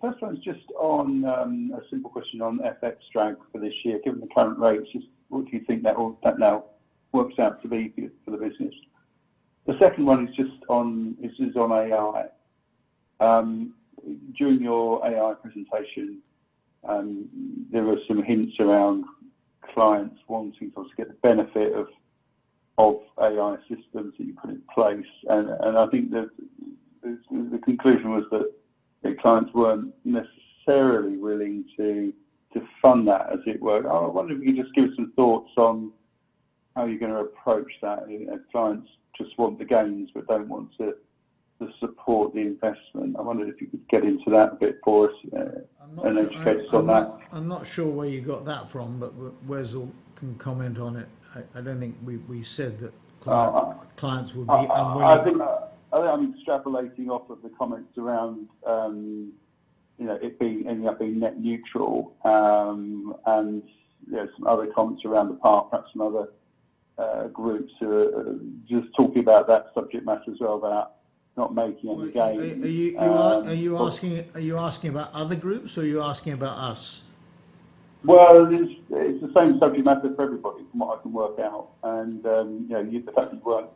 First one is just on a simple question on FX strength for this year. Given the current rates, just what do you think that all, that now works out to be for the business? The second one is just on, this is on AI.... During your AI presentation, there were some hints around clients wanting to also get the benefit of AI systems that you put in place. And I think the conclusion was that the clients weren't necessarily willing to fund that, as it were. I wonder if you could just give us some thoughts on how you're going to approach that. If clients just want the gains but don't want to support the investment. I wonder if you could get into that bit for us, and then focus on that. I'm not sure where you got that from, but Wes can comment on it. I don't think we said that client Uh clients would be unwilling. I think I'm extrapolating off of the comments around, you know, it being ending up being net neutral. And there are some other comments around the park, perhaps some other groups who are just talking about that subject matter as well, about not making any gains. Are you asking about other groups, or are you asking about us? Well, it's, it's the same subject matter for everybody, from what I can work out, and, you know, the fact that you weren't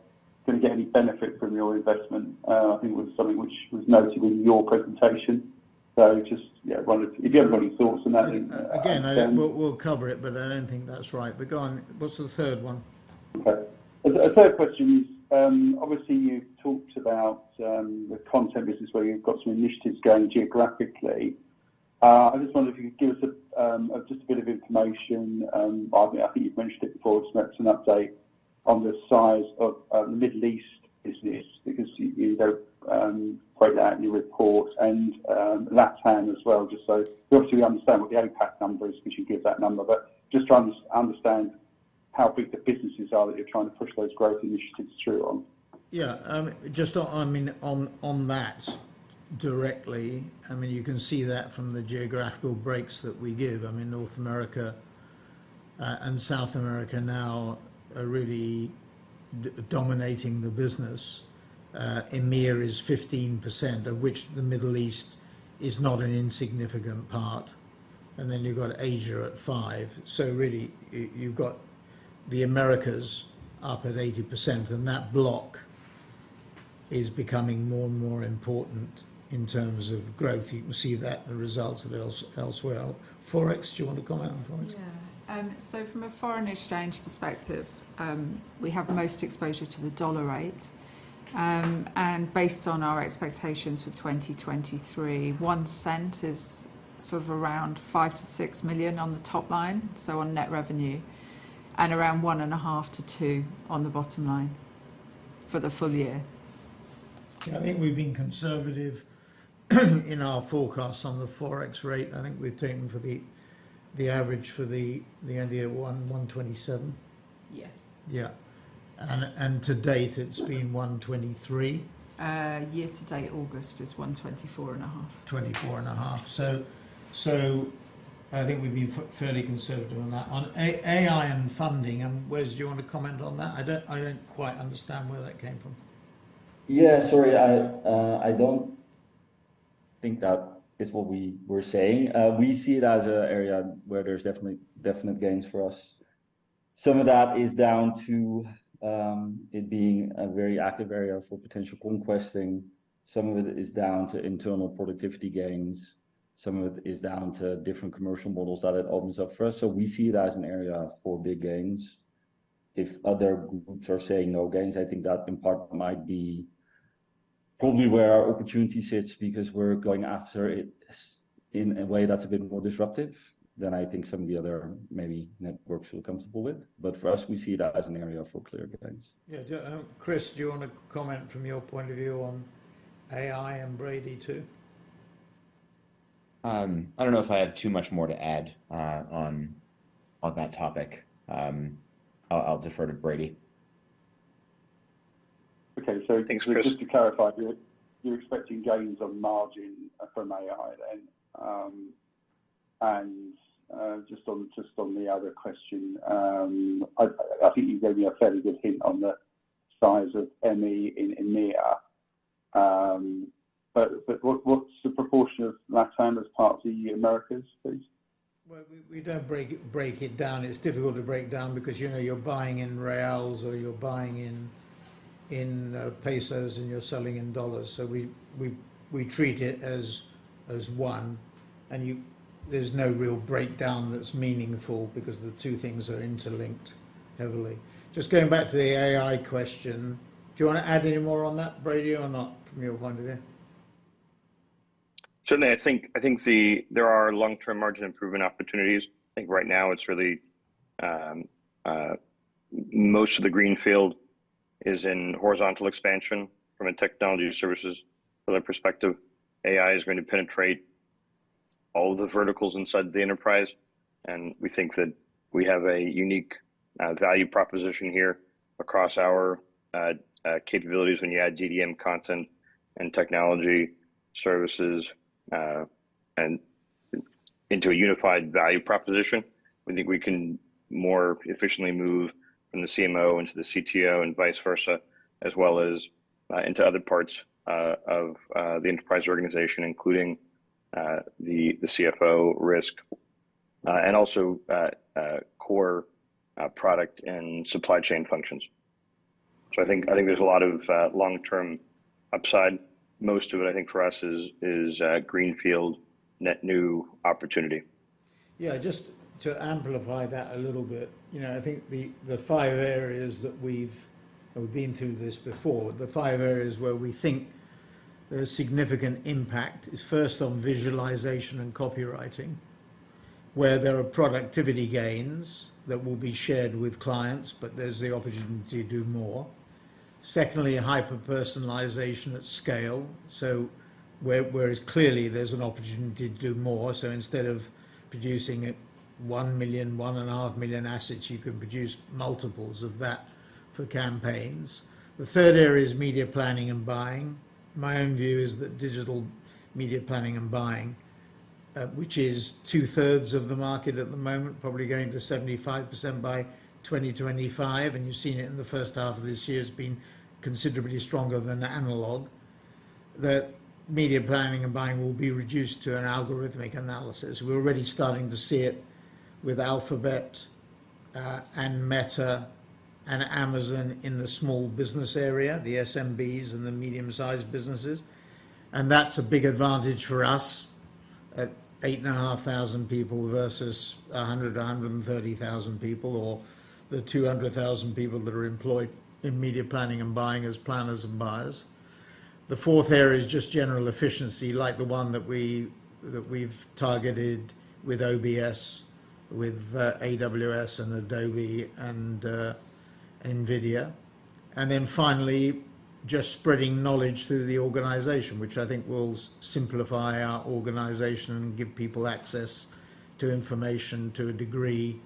going to get any benefit from your investment, I think was something which was noted in your presentation. So just, yeah, wondered if you have any thoughts on that? Again, we'll cover it, but I don't think that's right. But go on, what's the third one? Okay. The third question is, obviously, you've talked about the content business, where you've got some initiatives going geographically. I just wonder if you could give us just a bit of information. I think you've mentioned it before, so that's an update on the size of the Middle East business, because you don't break that out in your report and LATAM as well, just so we obviously understand what the APAC number is, because you give that number. But just to understand how big the businesses are that you're trying to push those growth initiatives through on. Yeah. Just on, I mean, on, on that directly, I mean, you can see that from the geographical breaks that we give. I mean, North America and South America now are really dominating the business. EMEA is 15%, of which the Middle East is not an insignificant part, and then you've got Asia at 5%. So really, you, you've got the Americas up at 80%, and that block is becoming more and more important in terms of growth. You can see that, the results elsewhere. Forex, do you want to comment on forex? Yeah. So from a foreign exchange perspective, we have the most exposure to the dollar rate. And based on our expectations for 2023, one cent is sort of around 5-6 million on the top line, so on net revenue, and around 1.5-2 on the bottom line for the full year. I think we've been conservative in our forecasts on the forex rate. I think we've taken the average for the end of year 1.127? Yes. Yeah. And to date, it's been 123? Year to date, August, is 124.5. 24.5. So, so I think we've been fairly conservative on that. On AI and funding, and Wes, do you want to comment on that? I don't, I don't quite understand where that came from. Yeah, sorry. I don't think that is what we were saying. We see it as an area where there's definitely definite gains for us. Some of that is down to it being a very active area for potential conquesting. Some of it is down to internal productivity gains. Some of it is down to different commercial models that it opens up for us. So we see it as an area for big gains. If other groups are saying no gains, I think that in part might be probably where our opportunity sits because we're going after it in a way that's a bit more disruptive than I think some of the other maybe networks feel comfortable with. But for us, we see that as an area for clear gains. Yeah, Chris, do you want to comment from your point of view on AI and Brady, too? I don't know if I have too much more to add on that topic. I'll defer to Brady. Okay, so Thanks, Chris just to clarify, you're expecting gains on margin from AI then? And just on the other question, I think you gave me a fairly good hint on the size of ME in EMEA. But what's the proportion of LATAM as part of the Americas, please? Well, we don't break it down. It's difficult to break down because, you know, you're buying in reais, or you're buying in pesos, and you're selling in dollars. So we treat it as one, and you there's no real breakdown that's meaningful because the two things are interlinked heavily. Just going back to the AI question, do you want to add any more on that, Brady, or not, from your point of view? Certainly, I think the. There are long-term margin improvement opportunities. I think right now it's really, most of the greenfield is in horizontal expansion from a technology services delivery perspective. AI is going to penetrate all the verticals inside the enterprise, and we think that we have a unique value proposition here across our capabilities when you add GDM content and technology services, and into a unified value proposition. We think we can more efficiently move from the CMO into the CTO and vice versa, as well as into other parts of the enterprise organization, including the CFO risk, and also core product and supply chain functions. So I think there's a lot of long-term upside. Most of it, I think, for us is greenfield net new opportunity. Yeah, just to amplify that a little bit. You know, I think the five areas that we've and we've been through this before, the five areas where we think there is significant impact is first on visualization and copywriting, where there are productivity gains that will be shared with clients, but there's the opportunity to do more. Secondly, hyper-personalization at scale, so whereas clearly there's an opportunity to do more. So instead of producing a 1 million, 1.5 million assets, you can produce multiples of that for campaigns. The third area is media planning and buying. My own view is that digital media planning and buying, which is two-thirds of the market at the moment, probably going to 75% by 2025, and you've seen it in the first half of this year, has been considerably stronger than analog. That media planning and buying will be reduced to an algorithmic analysis. We're already starting to see it with Alphabet and Meta and Amazon in the small business area, the SMBs and the medium-sized businesses. And that's a big advantage for us at 8,500 people versus 100, 130,000 people, or the 200,000 people that are employed in media planning and buying as planners and buyers. The fourth area is just general efficiency, like the one that we, that we've targeted with OBS, with AWS and Adobe and NVIDIA. And then finally, just spreading knowledge through the organization, which I think will simplify our organization and give people access to information to a degree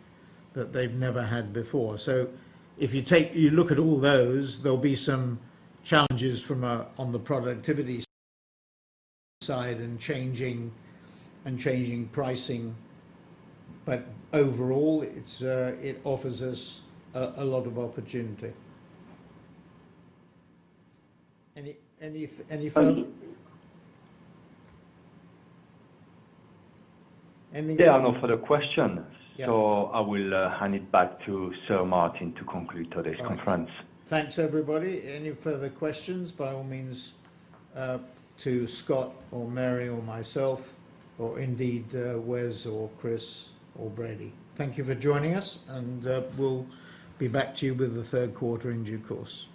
that they've never had before. So if you take... You look at all those, there'll be some challenges from on the productivity side and changing, and changing pricing. But overall, it's, it offers us a, a lot of opportunity. Any, any, any further- Um- Anything? There are no further questions. Yeah. I will hand it back to Sir Martin to conclude today's conference. Thanks, everybody. Any further questions, by all means, to Scott or Mary or myself, or indeed, Wes or Chris or Brady. Thank you for joining us, and we'll be back to you with the third quarter in due course.